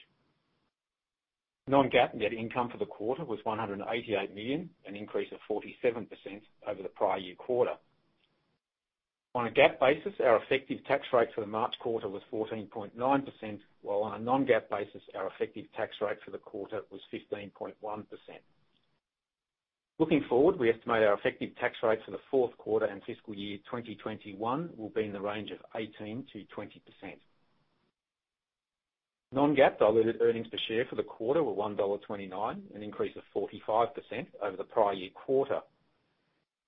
Non-GAAP net income for the quarter was $188 million, an increase of 47% over the prior year quarter. On a GAAP basis, our effective tax rate for the March quarter was 14.9%, while on a non-GAAP basis, our effective tax rate for the quarter was 15.1%. Looking forward, we estimate our effective tax rate for the fourth quarter and fiscal year 2021 will be in the range of 18%-20%. non-GAAP diluted earnings per share for the quarter were $1.29, an increase of 45% over the prior year quarter.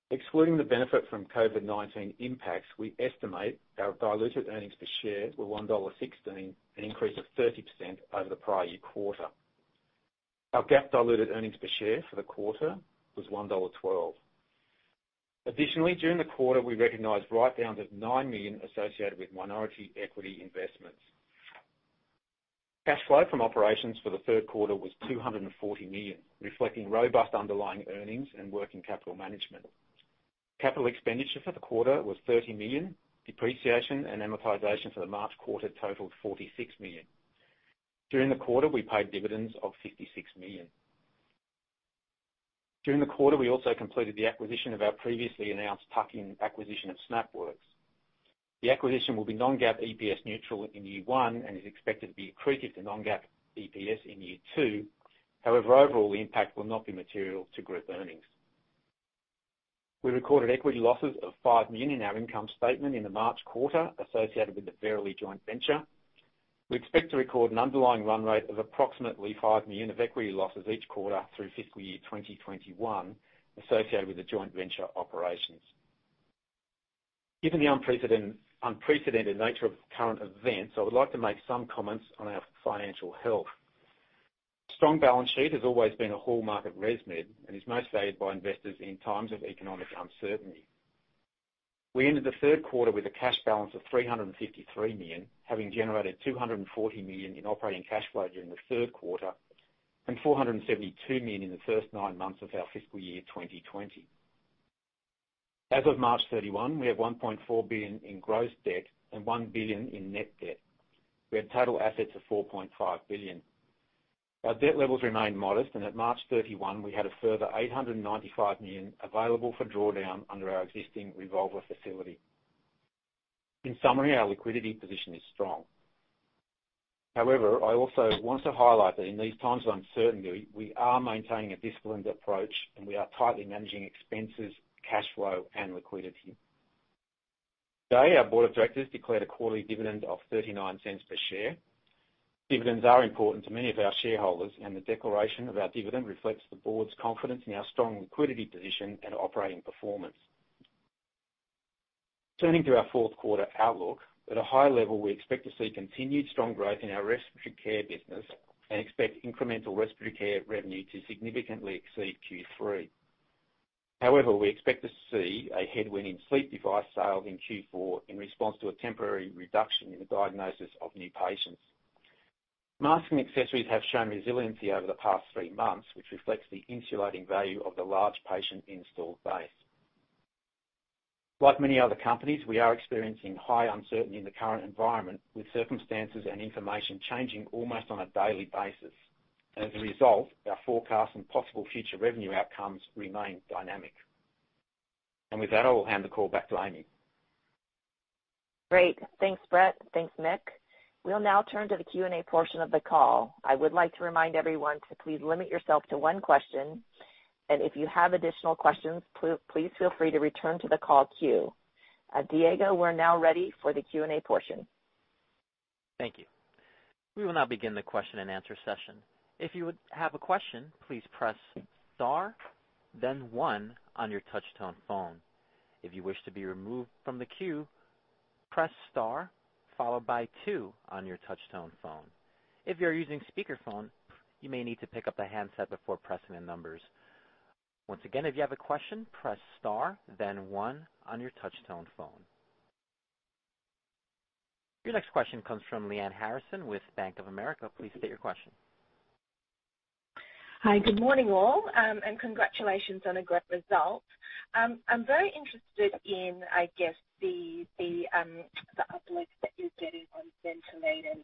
Excluding the benefit from COVID-19 impacts, we estimate our diluted earnings per share were $1.16, an increase of 30% over the prior year quarter. Our GAAP diluted earnings per share for the quarter was $1.12. Additionally, during the quarter, we recognized write-downs of $9 million associated with minority equity investments. Cash flow from operations for the third quarter was $240 million, reflecting robust underlying earnings and working capital management. Capital expenditure for the quarter was $30 million. Depreciation and amortization for the March quarter totaled $46 million. During the quarter, we paid dividends of $56 million. During the quarter, we also completed the acquisition of our previously announced tuck-in acquisition of SnapWorx. The acquisition will be non-GAAP EPS neutral in year 1 and is expected to be accretive to non-GAAP EPS in year 2. Overall impact will not be material to group earnings. We recorded equity losses of $5 million in our income statement in the March quarter associated with the Verily joint venture. We expect to record an underlying run rate of approximately $5 million of equity losses each quarter through fiscal year 2021 associated with the joint venture operations. Given the unprecedented nature of current events, I would like to make some comments on our financial health. Strong balance sheet has always been a hallmark of ResMed, and is most valued by investors in times of economic uncertainty. We ended the third quarter with a cash balance of $353 million, having generated $240 million in operating cash flow during the third quarter and $472 million in the first nine months of our fiscal year 2020. As of March 31, we have $1.4 billion in gross debt and $1 billion in net debt. We had total assets of $4.5 billion. Our debt levels remain modest, and at March 31, we had a further $895 million available for drawdown under our existing revolver facility. In summary, our liquidity position is strong. However, I also want to highlight that in these times of uncertainty, we are maintaining a disciplined approach, and we are tightly managing expenses, cash flow, and liquidity. Today, our board of directors declared a quarterly dividend of $0.39 per share. Dividends are important to many of our shareholders, and the declaration of our dividend reflects the board's confidence in our strong liquidity position and operating performance. Turning to our fourth quarter outlook. At a high level, we expect to see continued strong growth in our respiratory care business and expect incremental respiratory care revenue to significantly exceed Q3. However, we expect to see a headwind in sleep device sales in Q4 in response to a temporary reduction in the diagnosis of new patients. Mask and accessories have shown resiliency over the past three months, which reflects the insulating value of the large patient installed base. Like many other companies, we are experiencing high uncertainty in the current environment, with circumstances and information changing almost on a daily basis. As a result, our forecast and possible future revenue outcomes remain dynamic. With that, I will hand the call back to Amy. Great. Thanks, Brett. Thanks, Mick. We'll now turn to the Q&A portion of the call. I would like to remind everyone to please limit yourself to one question, and if you have additional questions, please feel free to return to the call queue. Diego, we're now ready for the Q&A portion. Thank you. We will now begin the question-and-answer session. If you have a question, please press star, then one on your touch-tone phone. If you wish to be removed from the queue, press star, followed by two on your touchtone phone. If you're using speakerphone, you may need to pick up the handset before pressing the numbers. Once again, if you have a question, press star, then one on your touch-tone phone. Your next question comes from Lyanne Harrison with Bank of America. Please state your question. Hi. Good morning, all. Congratulations on a great result. I'm very interested in, I guess, the uploads that you're getting on ventilator.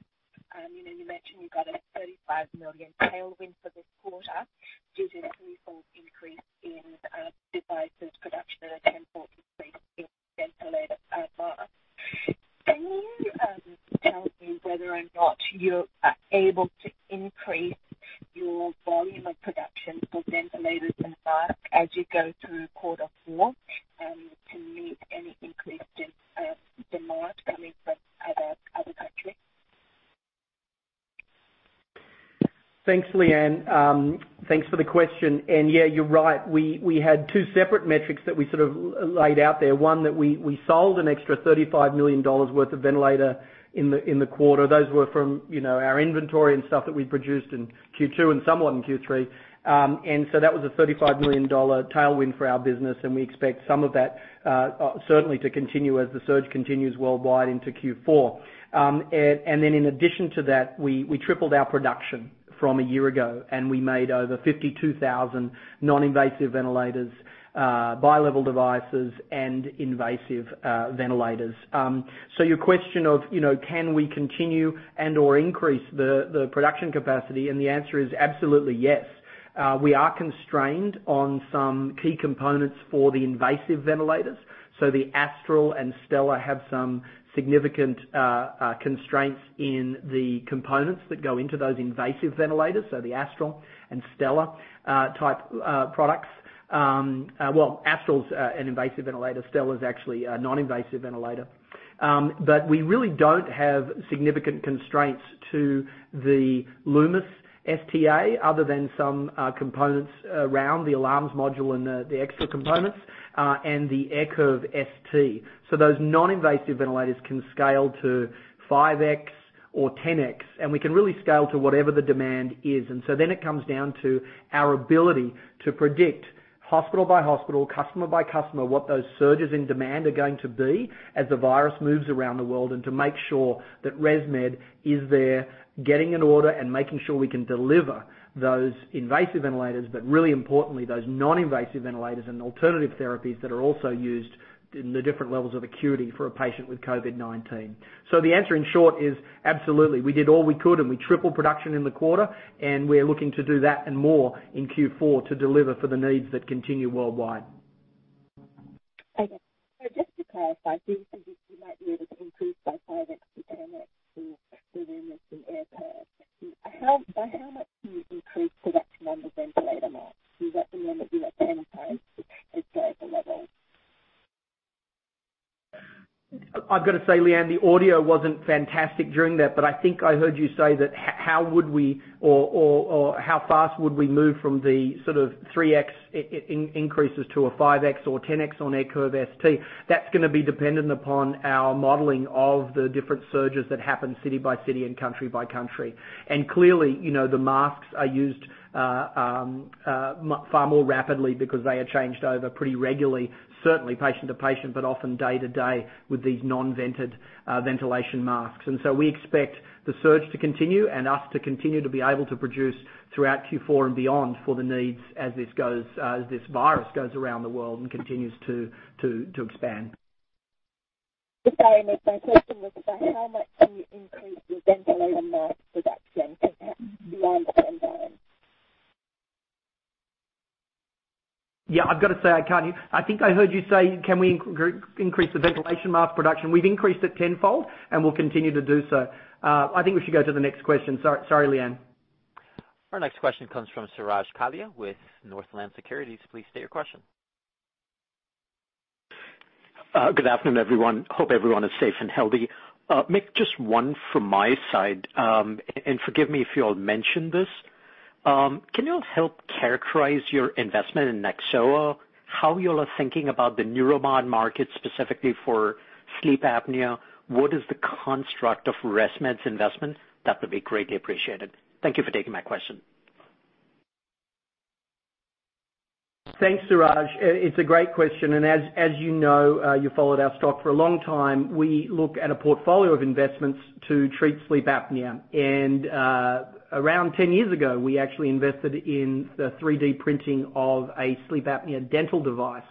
You mentioned you got a $35 million tailwind for this quarter due to three-fold increase in devices production and a tenfold increase in ventilator masks. Can you tell me whether or not you are able to increase your volume of production for ventilators and masks as you go through quarter four to meet any increased demand coming from other countries? Thanks, Lyanne. Thanks for the question. Yeah, you're right. We had two separate metrics that we sort of laid out there. One, that we sold an extra $35 million worth of ventilator in the quarter. Those were from our inventory and stuff that we produced in Q2 and some were in Q3. So that was a $35 million tailwind for our business, and we expect some of that certainly to continue as the surge continues worldwide into Q4. Then in addition to that, we tripled our production from a year ago, and we made over 52,000 non-invasive ventilators, bilevel devices, and invasive ventilators. Your question of, can we continue and/or increase the production capacity? The answer is absolutely yes. We are constrained on some key components for the invasive ventilators. The Astral and Stellar have some significant constraints in the components that go into those invasive ventilators. The Astral and Stellar type products. Well, Astral is an invasive ventilator. Stellar is actually a non-invasive ventilator. We really don't have significant constraints to the Lumis ST-A other than some components around the alarms module and the extra components, and the AirCurve ST. Those non-invasive ventilators can scale to 5x or 10x, and we can really scale to whatever the demand is. It comes down to our ability to predict hospital-by-hospital, customer-by--customer, what those surges in demand are going to be as the virus moves around the world, and to make sure that ResMed is there getting an order and making sure we can deliver those invasive ventilators, but really importantly, those non-invasive ventilators and alternative therapies that are also used in the different levels of acuity for a patient with COVID-19. The answer, in short, is absolutely. We did all we could, and we tripled production in the quarter, and we're looking to do that and more in Q4 to deliver for the needs that continue worldwide. Okay. Just to clarify, do you think that you might be able to increase by 5x-10x for the Lumis and AirCurve? By how much do you increase production on the ventilator mask? Is that the one that you were penciling to drive the level? I've got to say, Lyanne, the audio wasn't fantastic during that, but I think I heard you say that how would we or how fast would we move from the sort of 3x increases to a 5x or 10x on AirCurve ST? That's going to be dependent upon our modeling of the different surges that happen city-by-city and country-by-country. Clearly, the masks are used far more rapidly because they are changed over pretty regularly, certainly patient to patient, but often day-to-day with these non-vented ventilation masks. We expect the surge to continue and us to continue to be able to produce throughout Q4 and beyond for the needs as this virus goes around the world and continues to expand. Sorry, Mick, my question was about how much do you increase your ventilator mask production beyond the current? Yeah, I've got to say, I can't hear. I think I heard you say, can we increase the ventilation mask production? We've increased it tenfold, we'll continue to do so. I think we should go to the next question. Sorry, Lyanne. Our next question comes from Suraj Kalia with Northland Securities. Please state your question. Good afternoon, everyone. Hope everyone is safe and healthy. Mick, just one from my side, and forgive me if you all mentioned this. Can you all help characterize your investment in Nyxoah? How you all are thinking about the neuromod market, specifically for sleep apnea? What is the construct of ResMed's investment? That would be greatly appreciated. Thank you for taking my question. Thanks, Suraj. It's a great question. As you know, you followed our stock for a long time, we look at a portfolio of investments to treat sleep apnea. Around 10 years ago, we actually invested in the 3D printing of a sleep apnea dental device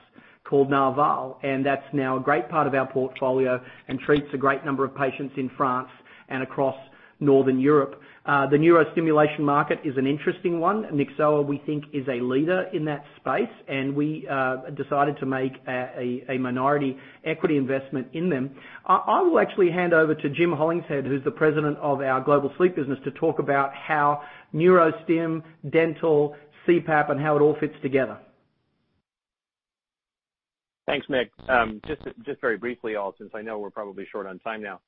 called Narval, and that's now a great part of our portfolio and treats a great number of patients in France and across Northern Europe. The neurostimulation market is an interesting one. Nyxoah, we think, is a leader in that space, and we decided to make a minority equity investment in them. I will actually hand over to Jim Hollingshead, who's the President of our Global Sleep business, to talk about how neurostim, dental, CPAP, and how it all fits together. Thanks, Mick. Just very briefly, all, since I know we're probably short on time now.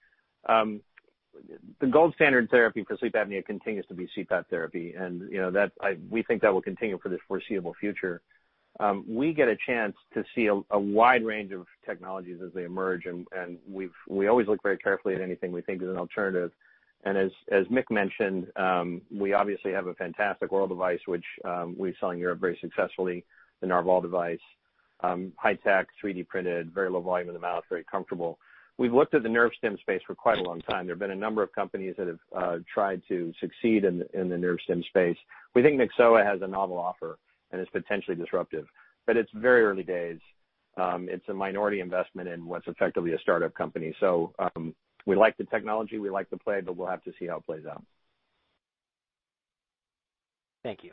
The gold standard therapy for sleep apnea continues to be CPAP therapy, and we think that will continue for the foreseeable future. We get a chance to see a wide range of technologies as they emerge, and we always look very carefully at anything we think is an alternative. As Mick mentioned, we obviously have a fantastic oral device, which we sell in Europe very successfully, the Narval device. High-tech, 3D printed, very low volume in the mouth, very comfortable. We've looked at the nerve stim space for quite a long time. There have been a number of companies that have tried to succeed in the nerve stim space. We think Nyxoah has a novel offer and is potentially disruptive. But it's very early days. It's a minority investment in what's effectively a startup company. We like the technology, we like the play, but we'll have to see how it plays out. Thank you.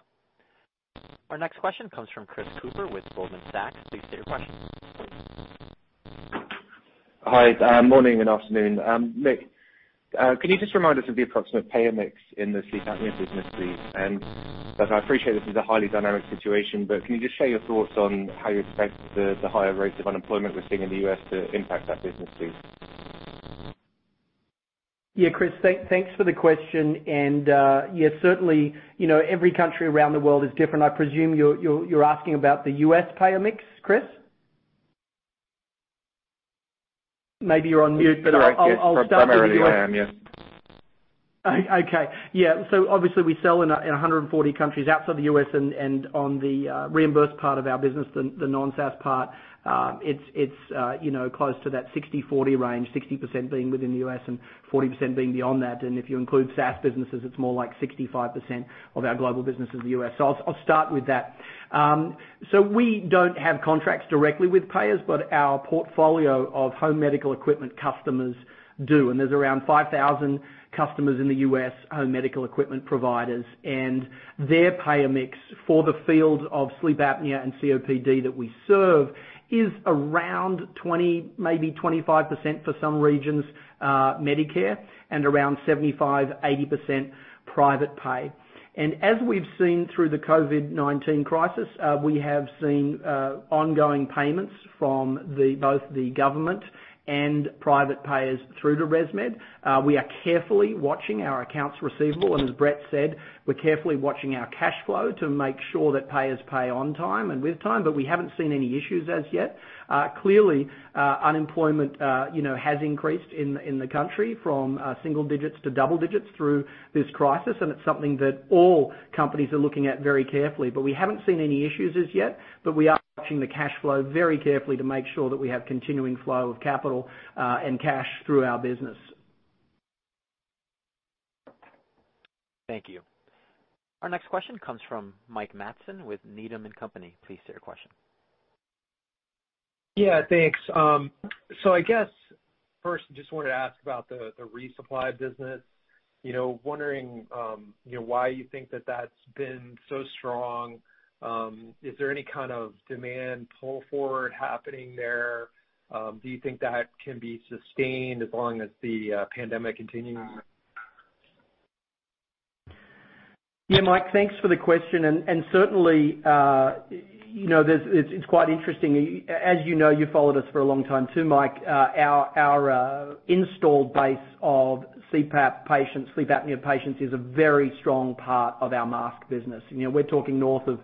Our next question comes from Chris Cooper with Goldman Sachs. Please state your question. Hi. Morning and afternoon. Mick, can you just remind us of the approximate payer mix in the sleep apnea business, please? I appreciate this is a highly dynamic situation, but can you just share your thoughts on how you expect the higher rates of unemployment we're seeing in the U.S. to impact that business, please? Yeah, Chris, thanks for the question. Yeah, certainly, every country around the world is different. I presume you're asking about the U.S. payer mix, Chris? Maybe you're on mute. I'll start. Yes, primarily I am. Yes. Okay. Yeah. Obviously we sell in 140 countries outside the U.S., and on the reimbursed part of our business, the non-SaaS part, it's close to that 60%-40% range, 60% being within the U.S. and 40% being beyond that. If you include SaaS businesses, it's more like 65% of our global business is the U.S. I'll start with that. We don't have contracts directly with payers, but our portfolio of home medical equipment customers do. There's around 5,000 customers in the U.S., home medical equipment providers. Their payer mix for the field of sleep apnea and COPD that we serve is around 20%, maybe 25% for some regions, Medicare, and around 75%, 80% private pay. As we've seen through the COVID-19 crisis, we have seen ongoing payments from both the government and private payers through to ResMed. We are carefully watching our accounts receivable, as Brett said, we're carefully watching our cash flow to make sure that payers pay on time and with time. We haven't seen any issues as yet. Clearly, unemployment has increased in the country from single digits to double digits through this crisis. It's something that all companies are looking at very carefully. We haven't seen any issues as yet. We are watching the cash flow very carefully to make sure that we have continuing flow of capital and cash through our business. Thank you. Our next question comes from Mike Matson with Needham & Company. Please state your question. Yeah, thanks. I guess first, just wanted to ask about the resupply business. Wondering why you think that that's been so strong. Is there any kind of demand pull forward happening there? Do you think that can be sustained as long as the pandemic continues? Yeah, Mike, thanks for the question. Certainly, it's quite interesting. As you know, you've followed us for a long time too, Mike. Our installed base of CPAP patients, sleep apnea patients, is a very strong part of our mask business. We're talking north of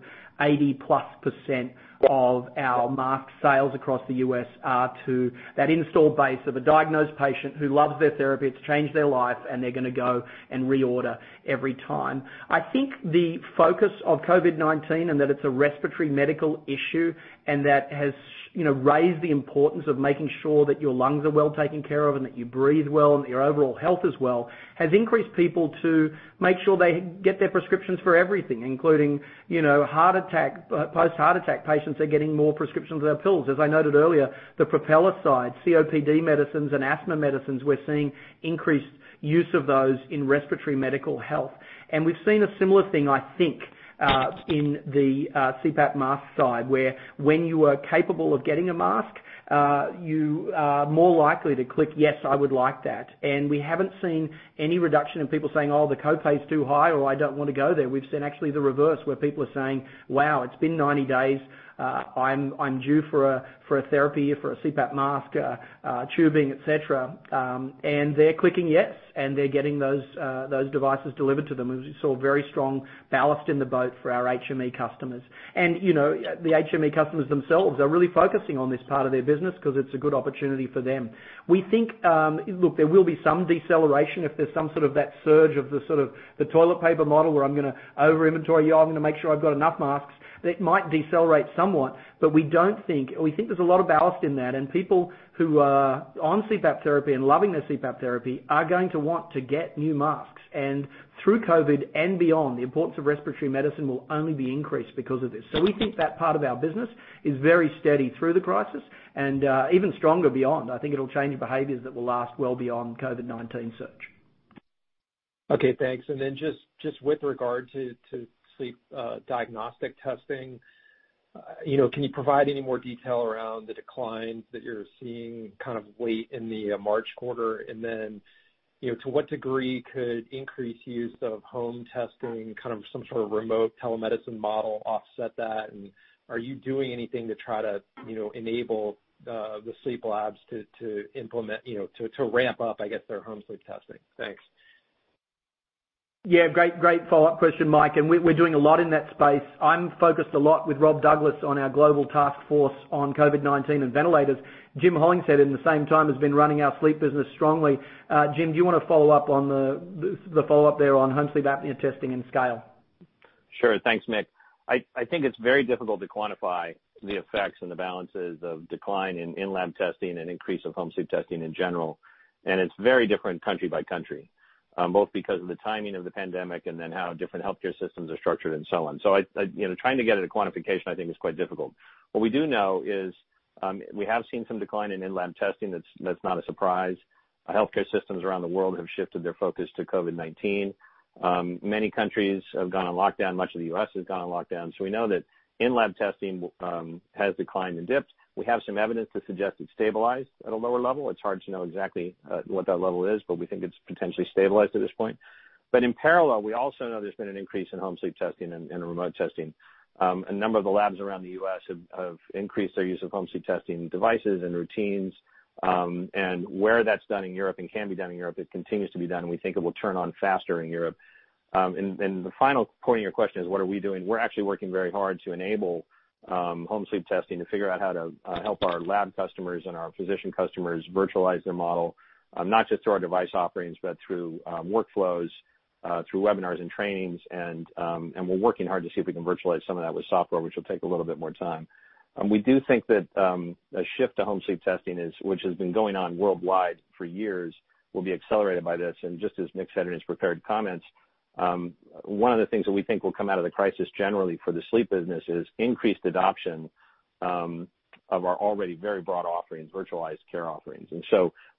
of our mask sales across the U.S. are to that installed base of a diagnosed patient who loves their therapy. It's changed their life, they're going to go and reorder every time. I think the focus of COVID-19, and that it's a respiratory medical issue, and that has raised the importance of making sure that your lungs are well taken care of and that you breathe well and that your overall health is well, has increased people to make sure they get their prescriptions for everything, including post-heart attack patients are getting more prescriptions of their pills. As I noted earlier, the Propeller side, COPD medicines and asthma medicines, we're seeing increased use of those in respiratory medical health. We've seen a similar thing, I think, in the CPAP mask side, where when you are capable of getting a mask, you are more likely to click, "Yes, I would like that." We haven't seen any reduction in people saying, "Oh, the co-pay's too high," or, "I don't want to go there." We've seen actually the reverse, where people are saying, "Wow, it's been 90 days. I'm due for a therapy for a CPAP mask, tubing, et cetera." They're clicking yes, and they're getting those devices delivered to them. As we saw, very strong ballast in the boat for our HME customers. The HME customers themselves are really focusing on this part of their business because it's a good opportunity for them. Look, there will be some deceleration if there's some sort of that surge of the toilet paper model, where I'm going to over-inventory. I'm going to make sure I've got enough masks. That might decelerate somewhat. We think there's a lot of ballast in that, and people who are on CPAP therapy and loving their CPAP therapy are going to want to get new masks. Through COVID and beyond, the importance of respiratory medicine will only be increased because of this. We think that part of our business is very steady through the crisis and even stronger beyond. I think it'll change behaviors that will last well beyond COVID-19 surge. Okay, thanks. Just with regard to sleep diagnostic testing, can you provide any more detail around the declines that you're seeing kind of late in the March quarter? To what degree could increased use of home testing, kind of some sort of remote telemedicine model offset that? Are you doing anything to try to enable the sleep labs to implement, to ramp up, I guess, their home sleep testing? Thanks. Great follow-up question, Mike. We're doing a lot in that space. I'm focused a lot with Rob Douglas on our global task force on COVID-19 and ventilators. Jim Hollingshead, at the same time, has been running our sleep business strongly. Jim, do you want to follow up on the follow-up there on home sleep apnea testing and scale? Sure. Thanks, Mick. I think it's very difficult to quantify the effects and the balances of decline in in-lab testing and increase of home sleep testing in general. It's very different country by country, both because of the timing of the pandemic and then how different healthcare systems are structured and so on. Trying to get at a quantification I think is quite difficult. What we do know is, we have seen some decline in in-lab testing. That's not a surprise. Healthcare systems around the world have shifted their focus to COVID-19. Many countries have gone on lockdown. Much of the U.S. has gone on lockdown. We know that in-lab testing has declined and dipped. We have some evidence to suggest it's stabilized at a lower level. It's hard to know exactly what that level is, but we think it's potentially stabilized at this point. In parallel, we also know there's been an increase in home sleep testing and remote testing. A number of the labs around the U.S. have increased their use of home sleep testing devices and routines. Where that's done in Europe and can be done in Europe, it continues to be done, and we think it will turn on faster in Europe. The final point of your question is what are we doing? We're actually working very hard to enable home sleep testing to figure out how to help our lab customers and our physician customers virtualize their model, not just through our device offerings, but through workflows, through webinars and trainings. We're working hard to see if we can virtualize some of that with software, which will take a little bit more time. We do think that a shift to home sleep testing, which has been going on worldwide for years, will be accelerated by this. Just as Mick said in his prepared comments, one of the things that we think will come out of the crisis generally for the sleep business is increased adoption of our already very broad offerings, virtualized care offerings.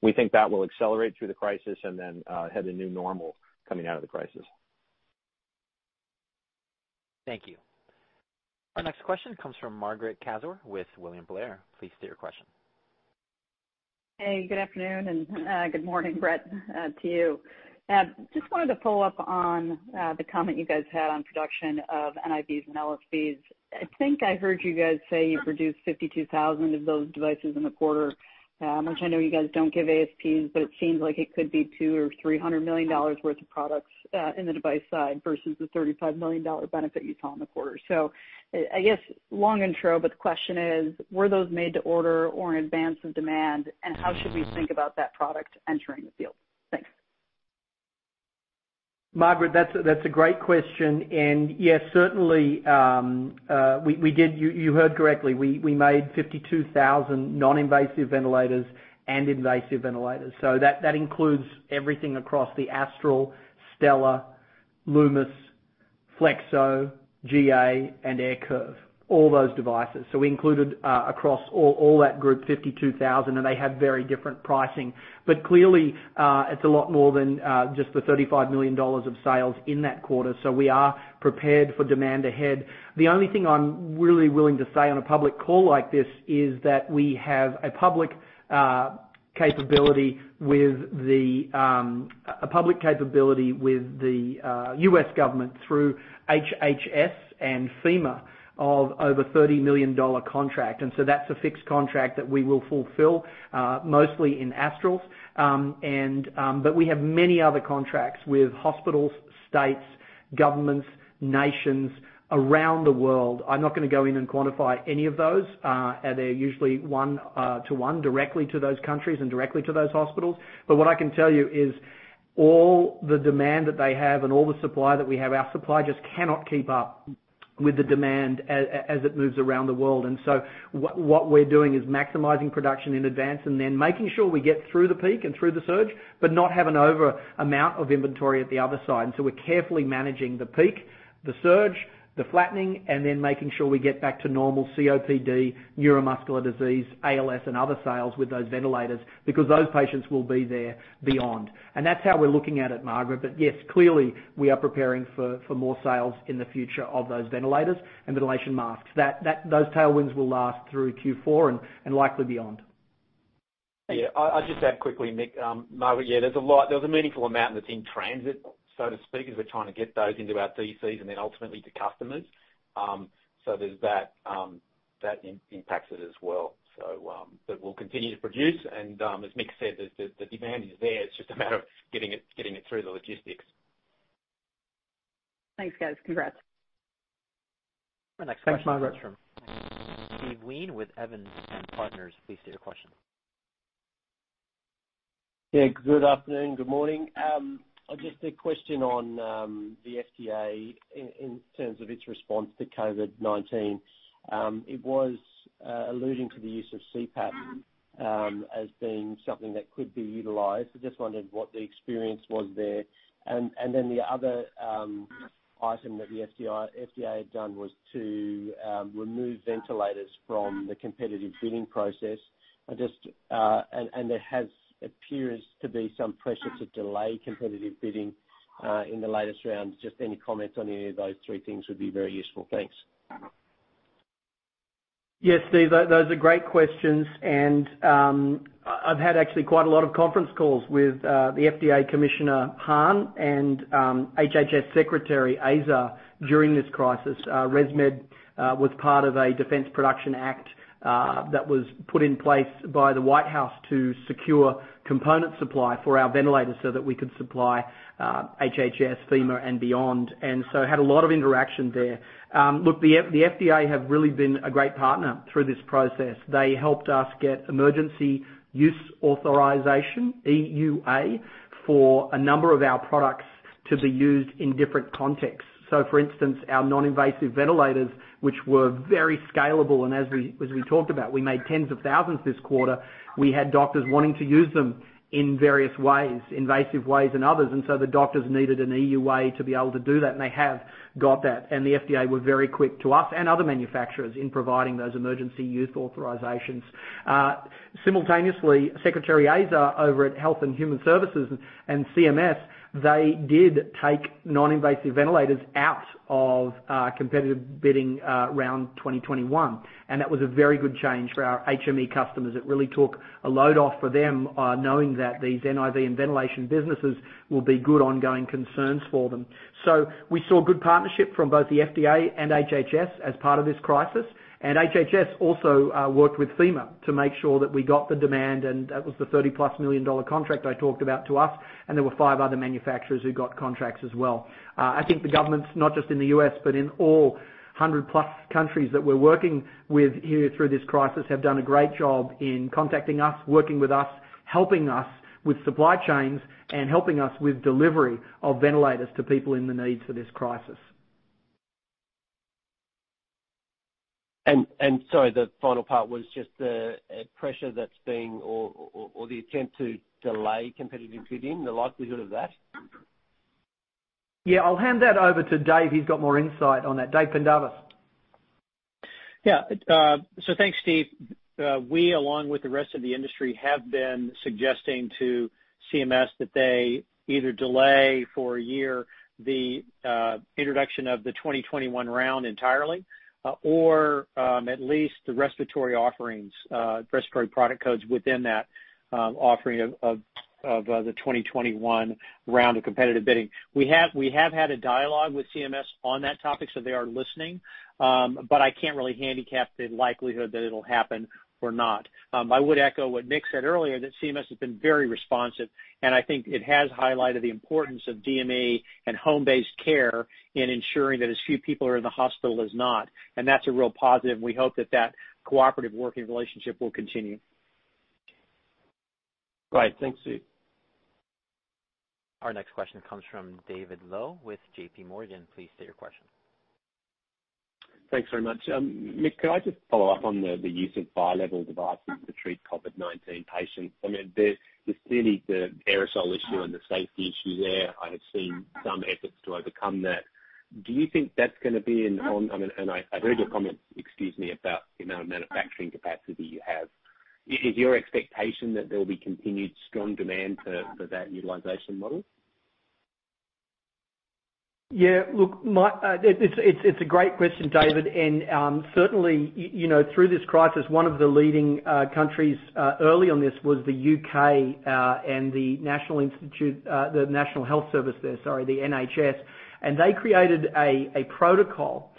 We think that will accelerate through the crisis and then have a new normal coming out of the crisis. Thank you. Our next question comes from Margaret Kaczor with William Blair. Please state your question. Hey, good afternoon, and good morning, Brett, to you. Just wanted to follow up on the comment you guys had on production of NIVs and LSVs. I think I heard you guys say you produced 52,000 of those devices in the quarter, which I know you guys don't give ASPs, it seems like it could be $200 million or $300 million worth of products, in the device side versus the $35 million benefit you saw in the quarter. I guess long intro, the question is, were those made to order or in advance of demand, how should we think about that product entering the field? Thanks. Margaret, that's a great question. Yes, certainly, you heard correctly. We made 52,000 non-invasive ventilators and invasive ventilators. That includes everything across the Astral, Stellar, Lumis, Flexo, GA, and AirCurve, all those devices. We included across all that group, 52,000, and they have very different pricing. Clearly, it's a lot more than just the $35 million of sales in that quarter. We are prepared for demand ahead. The only thing I'm really willing to say on a public call like this is that we have a public capability with the U.S. government through HHS and FEMA of over $30 million contract. That's a fixed contract that we will fulfill, mostly in Astrals. We have many other contracts with hospitals, states, governments, nations around the world. I'm not going to go in and quantify any of those. They're usually one to one directly to those countries and directly to those hospitals. What I can tell you is all the demand that they have and all the supply that we have, our supply just cannot keep up with the demand as it moves around the world. What we're doing is maximizing production in advance and then making sure we get through the peak and through the surge, but not have an over amount of inventory at the other side. We're carefully managing the peak, the surge, the flattening, and then making sure we get back to normal COPD, neuromuscular disease, ALS, and other sales with those ventilators because those patients will be there beyond. That's how we're looking at it, Margaret. Yes, clearly we are preparing for more sales in the future of those ventilators and ventilation masks. Those tailwinds will last through Q4 and likely beyond. Yeah. I'll just add quickly, Mick, Margaret, yeah, there's a lot, there's a meaningful amount that's in transit, so to speak, as we're trying to get those into our DCs and then ultimately to customers. There's that. That impacts it as well. We'll continue to produce and, as Mick said, the demand is there it's just a matter of getting it through the logistics. Thanks, guys. Congrats. Thanks, Margaret. Our next question comes from Steven Wheen with Evans & Partners. Please state your question. Yeah. Good afternoon. Good morning. Just a question on the FDA in terms of its response to COVID-19. It was alluding to the use of CPAP as being something that could be utilized. I just wondered what the experience was there. Then the other item that the FDA had done was to remove ventilators from the competitive bidding process. There appears to be some pressure to delay competitive bidding in the latest round. Just any comments on any of those three things would be very useful. Thanks. Yes, Steve, those are great questions. I've had actually quite a lot of conference calls with the FDA Commissioner Hahn and HHS Secretary Azar during this crisis. ResMed was part of a Defense Production Act that was put in place by the White House to secure component supply for our ventilators so that we could supply HHS, FEMA, and beyond. Had a lot of interaction there. Look, the FDA have really been a great partner through this process. They helped us get emergency use authorization, EUA, for a number of our products to be used in different contexts. For instance, our non-invasive ventilators, which were very scalable, and as we talked about, we made tens of thousands this quarter. We had doctors wanting to use them in various ways, invasive ways and others. The doctors needed an EUA to be able to do that, and they have got that. The FDA were very quick to us and other manufacturers in providing those emergency use authorizations. Simultaneously, Secretary Azar over at Health and Human Services and CMS, they did take non-invasive ventilators out of competitive bidding round 2021, and that was a very good change for our HME customers. It really took a load off for them, knowing that these NIV and ventilation businesses will be good ongoing concerns for them. We saw good partnership from both the FDA and HHS as part of this crisis, and HHS also worked with FEMA to make sure that we got the demand, and that was the $30+ million contract I talked about to us, and there were five other manufacturers who got contracts as well. I think the governments, not just in the U.S., but in all 100-plus countries that we're working with here through this crisis, have done a great job in contacting us, working with us, helping us with supply chains, and helping us with delivery of ventilators to people in the need for this crisis. Sorry, the final part was just the pressure that's being or the attempt to delay competitive bidding, the likelihood of that? Yeah. I'll hand that over to Dave. He's got more insight on that. David Pendarvis. Yeah. Thanks, Steve. We, along with the rest of the industry, have been suggesting to CMS that they either delay for a year the introduction of the 2021 round entirely or at least the respiratory offerings, respiratory product codes within that offering of the 2021 round of competitive bidding. We have had a dialogue with CMS on that topic, they are listening. I can't really handicap the likelihood that it'll happen or not. I would echo what Mick said earlier, that CMS has been very responsive, and I think it has highlighted the importance of DME and home-based care in ensuring that as few people are in the hospital as not, and that's a real positive, and we hope that that cooperative working relationship will continue. Great. Thanks, Steve. Our next question comes from David Low with JPMorgan. Please state your question. Thanks very much. Mick, could I just follow up on the use of bilevel devices to treat COVID-19 patients? There's clearly the aerosol issue and the safety issue there. I have seen some efforts to overcome that. I read your comment, excuse me, about the amount of manufacturing capacity you have. Is your expectation that there will be continued strong demand for that utilization model? Yeah. Look, it's a great question, David. Certainly, through this crisis, one of the leading countries early on this was the U.K. and the National Health Service there, the NHS. They created a protocol,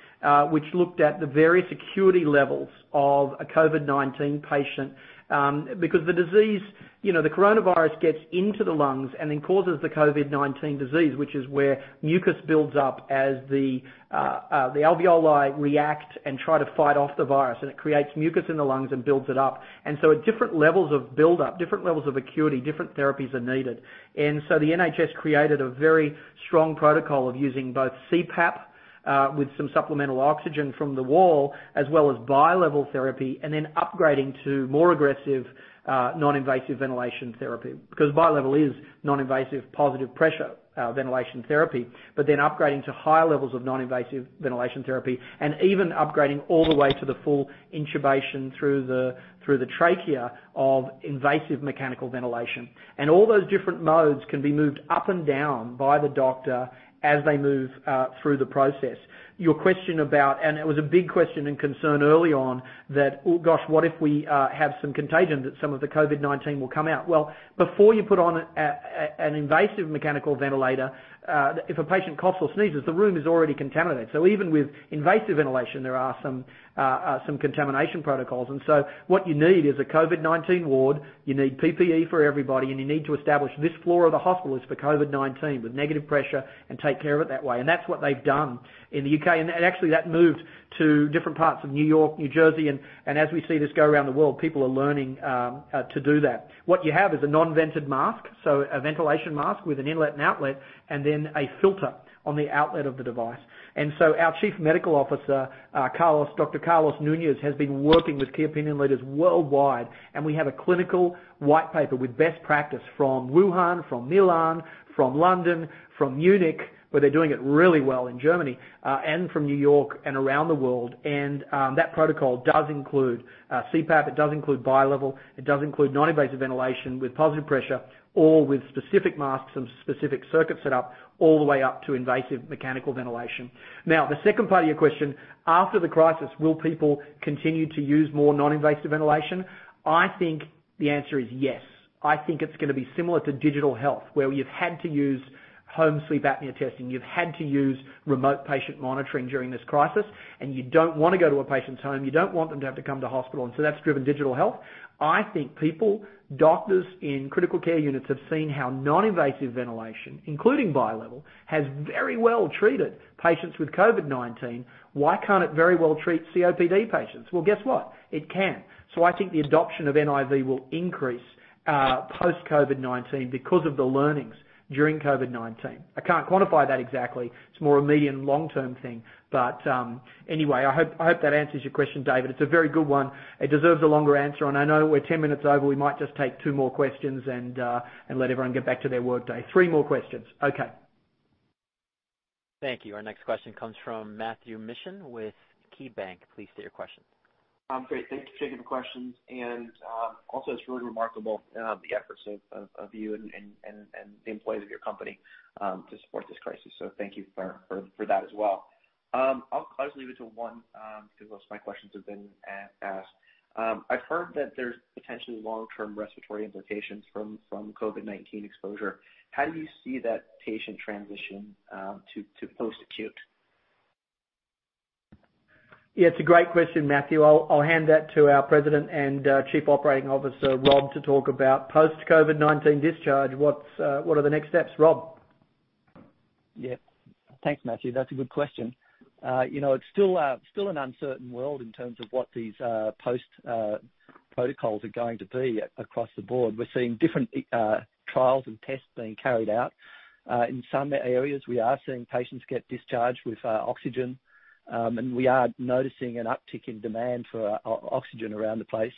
which looked at the various acuity levels of a COVID-19 patient, because the coronavirus gets into the lungs and then causes the COVID-19 disease, which is where mucus builds up as the alveoli react and try to fight off the virus, and it creates mucus in the lungs and builds it up. At different levels of buildup, different levels of acuity, different therapies are needed. The NHS created a very strong protocol of using both CPAP, with some supplemental oxygen from the wall, as well as bilevel therapy, then upgrading to more aggressive non-invasive ventilation therapy. Because bilevel is non-invasive positive pressure ventilation therapy. Upgrading to higher levels of non-invasive ventilation therapy and even upgrading all the way to the full intubation through the trachea of invasive mechanical ventilation. All those different modes can be moved up and down by the doctor as they move through the process. Your question about what if we have some contagion, that some of the COVID-19 will come out? Before you put on an invasive mechanical ventilator, if a patient coughs or sneezes, the room is already contaminated. Even with invasive ventilation, there are some contamination protocols. What you need is a COVID-19 ward. You need PPE for everybody, and you need to establish this floor of the hospital is for COVID-19, with negative pressure, and take care of it that way. That's what they've done in the U.K. Actually, that moved to different parts of New York, New Jersey, and as we see this go around the world, people are learning to do that. What you have is a non-vented mask, so a ventilation mask with an inlet and outlet, and then a filter on the outlet of the device. So our chief medical officer, Dr. Carlos Nunez, has been working with key opinion leaders worldwide, and we have a clinical white paper with best practice from Wuhan, from Milan, from London, from Munich, where they're doing it really well in Germany, and from New York and around the world. That protocol does include CPAP. It does include bilevel. It does include non-invasive ventilation with positive pressure, all with specific masks and specific circuit set up, all the way up to invasive mechanical ventilation. The second part of your question, after the crisis, will people continue to use more non-invasive ventilation? I think the answer is yes. I think it's going to be similar to digital health, where we have had to use home sleep apnea testing. You've had to use remote patient monitoring during this crisis, you don't want to go to a patient's home. You don't want them to have to come to hospital. That's driven digital health. I think people, doctors in critical care units have seen how non-invasive ventilation, including bilevel, has very well treated patients with COVID-19. Why can't it very well treat COPD patients? Well, guess what? It can. I think the adoption of NIV will increase post-COVID-19 because of the learnings during COVID-19. I can't quantify that exactly. It's more a medium, long-term thing. Anyway, I hope that answers your question, David. It's a very good one. It deserves a longer answer. I know we're 10 minutes over. We might just take two more questions and let everyone get back to their workday. Three more questions. Okay. Thank you. Our next question comes from Matthew Mishan with KeyBanc. Please state your question. Great. Thank you for taking the questions. Also, it's really remarkable, the efforts of you and the employees of your company to support this crisis. Thank you for that as well. I'll just leave it to one, because most of my questions have been asked. I've heard that there's potentially long-term respiratory implications from COVID-19 exposure. How do you see that patient transition to post-acute? Yeah, it's a great question, Matthew. I'll hand that to our President and Chief Operating Officer, Rob, to talk about post-COVID-19 discharge. What are the next steps, Rob? Yeah. Thanks, Matthew. That's a good question. It's still an uncertain world in terms of what these post protocols are going to be across the board. We're seeing different trials and tests being carried out. In some areas, we are seeing patients get discharged with oxygen. We are noticing an uptick in demand for oxygen around the place.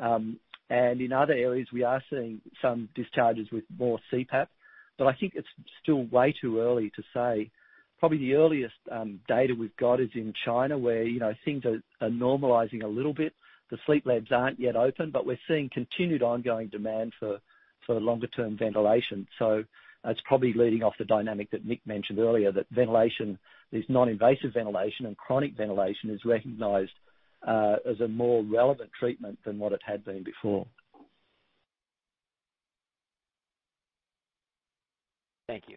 In other areas, we are seeing some discharges with more CPAP, but I think it's still way too early to say. Probably the earliest data we've got is in China, where things are normalizing a little bit. The sleep labs aren't yet open, but we're seeing continued ongoing demand for longer-term ventilation. It's probably leading off the dynamic that Mick mentioned earlier, that ventilation, this non-invasive ventilation and chronic ventilation is recognized as a more relevant treatment than what it had been before. Thank you.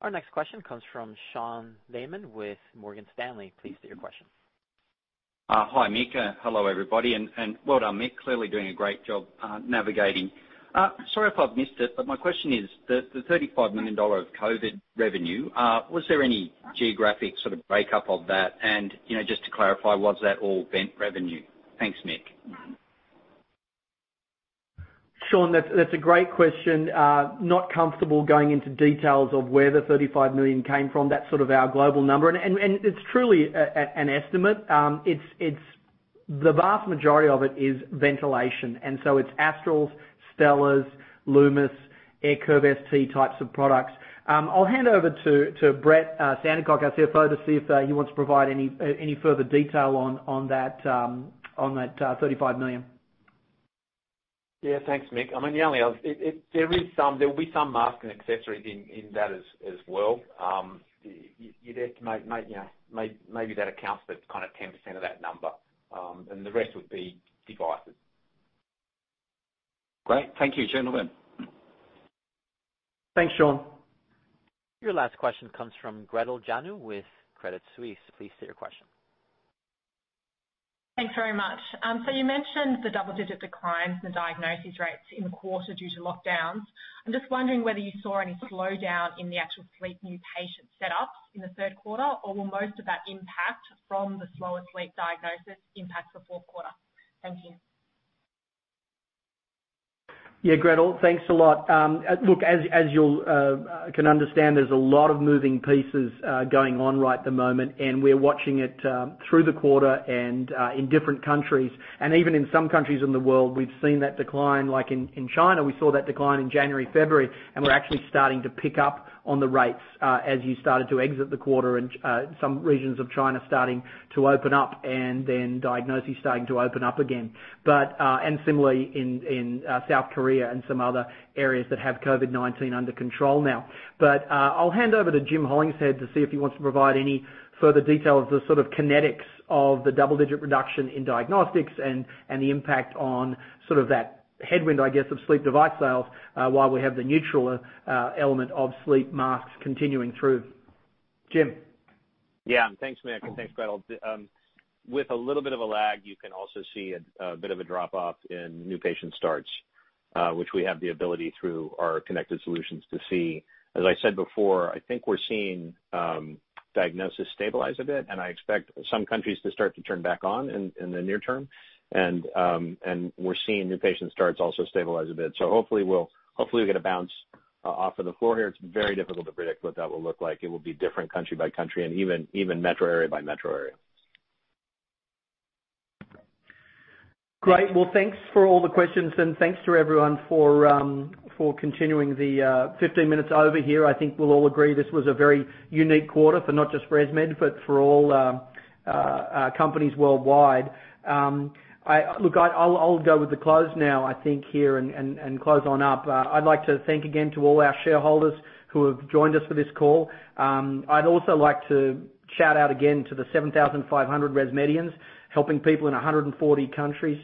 Our next question comes from Sean Laaman with Morgan Stanley. Please state your question. Hi, Mick. Hello, everybody. Well done, Mick. Clearly doing a great job navigating. Sorry if I've missed it, but my question is, the $35 million of COVID revenue, was there any geographic sort of breakup of that? Just to clarify, was that all vent revenue? Thanks, Mick. Sean, that's a great question. Not comfortable going into details of where the $35 million came from. That's sort of our global number, and it's truly an estimate. The vast majority of it is ventilation. It's Astrals, Stellar, Lumis, AirCurve ST types of products. I'll hand over to Brett Sandercock, our CFO, to see if he wants to provide any further detail on that $35 million. Yeah, thanks, Mick. There will be some mask and accessories in that as well. You'd estimate maybe that accounts for 10% of that number, and the rest would be devices. Great. Thank you, gentlemen. Thanks, Sean. Your last question comes from Gretel Janu with Credit Suisse. Please state your question. You mentioned the double-digit declines in the diagnosis rates in the quarter due to lockdowns. I'm just wondering whether you saw any slowdown in the actual sleep new patient setups in the third quarter, or will most of that impact from the slower sleep diagnosis impact the fourth quarter? Thank you. Yeah, Gretel. Thanks a lot. Look, as you can understand, there's a lot of moving pieces going on right at the moment, and we're watching it through the quarter and in different countries. Even in some countries in the world, we've seen that decline. Like in China, we saw that decline in January, February, and we're actually starting to pick up on the rates as you started to exit the quarter and some regions of China starting to open up and then diagnoses starting to open up again, and similarly in South Korea and some other areas that have COVID-19 under control now. I'll hand over to Jim Hollingshead to see if he wants to provide any further detail of the sort of kinetics of the double-digit reduction in diagnostics and the impact on sort of that headwind, I guess, of sleep device sales, while we have the neutral element of sleep masks continuing through. Jim? Thanks, Mick, and thanks, Gretel. With a little bit of a lag, you can also see a bit of a drop-off in new patient starts, which we have the ability through our connected solutions to see. As I said before, I think we're seeing diagnosis stabilize a bit, and I expect some countries to start to turn back on in the near term, and we're seeing new patient starts also stabilize a bit. Hopefully we'll get a bounce off of the floor here. It's very difficult to predict what that will look like. It will be different country by country and even metro area by metro area. Great. Well, thanks for all the questions, and thanks to everyone for continuing the 15 minutes over here. I think we'll all agree this was a very unique quarter for not just ResMed, but for all companies worldwide. Look, I'll go with the close now, I think, here, and close on up. I'd like to thank again to all our shareholders who have joined us for this call. I'd also like to shout out again to the 7,500 ResMedians helping people in 140 countries.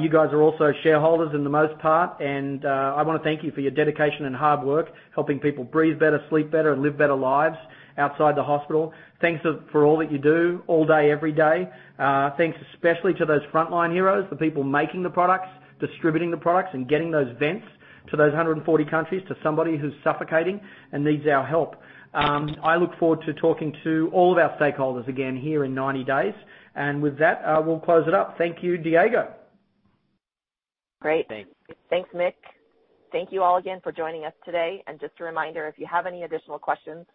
You guys are also shareholders in the most part, and I want to thank you for your dedication and hard work, helping people breathe better, sleep better, and live better lives outside the hospital. Thanks for all that you do all day, every day. Thanks especially to those frontline heroes, the people making the products, distributing the products, and getting those vents to those 140 countries, to somebody who's suffocating and needs our help. I look forward to talking to all of our stakeholders again here in 90 days. With that, we'll close it up. Thank you, Diego. Great. Thanks. Thanks, Mick. Thank you all again for joining us today. Just a reminder, if you have any additional questions,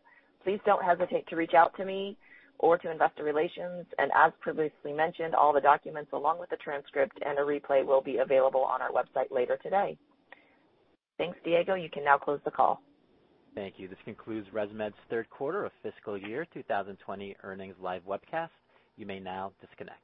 please don't hesitate to reach out to me or to Investor Relations. As previously mentioned, all the documents, along with the transcript and a replay, will be available on our website later today. Thanks, Diego. You can now close the call. Thank you. This concludes ResMed's third quarter of fiscal year 2020 earnings live webcast. You may now disconnect.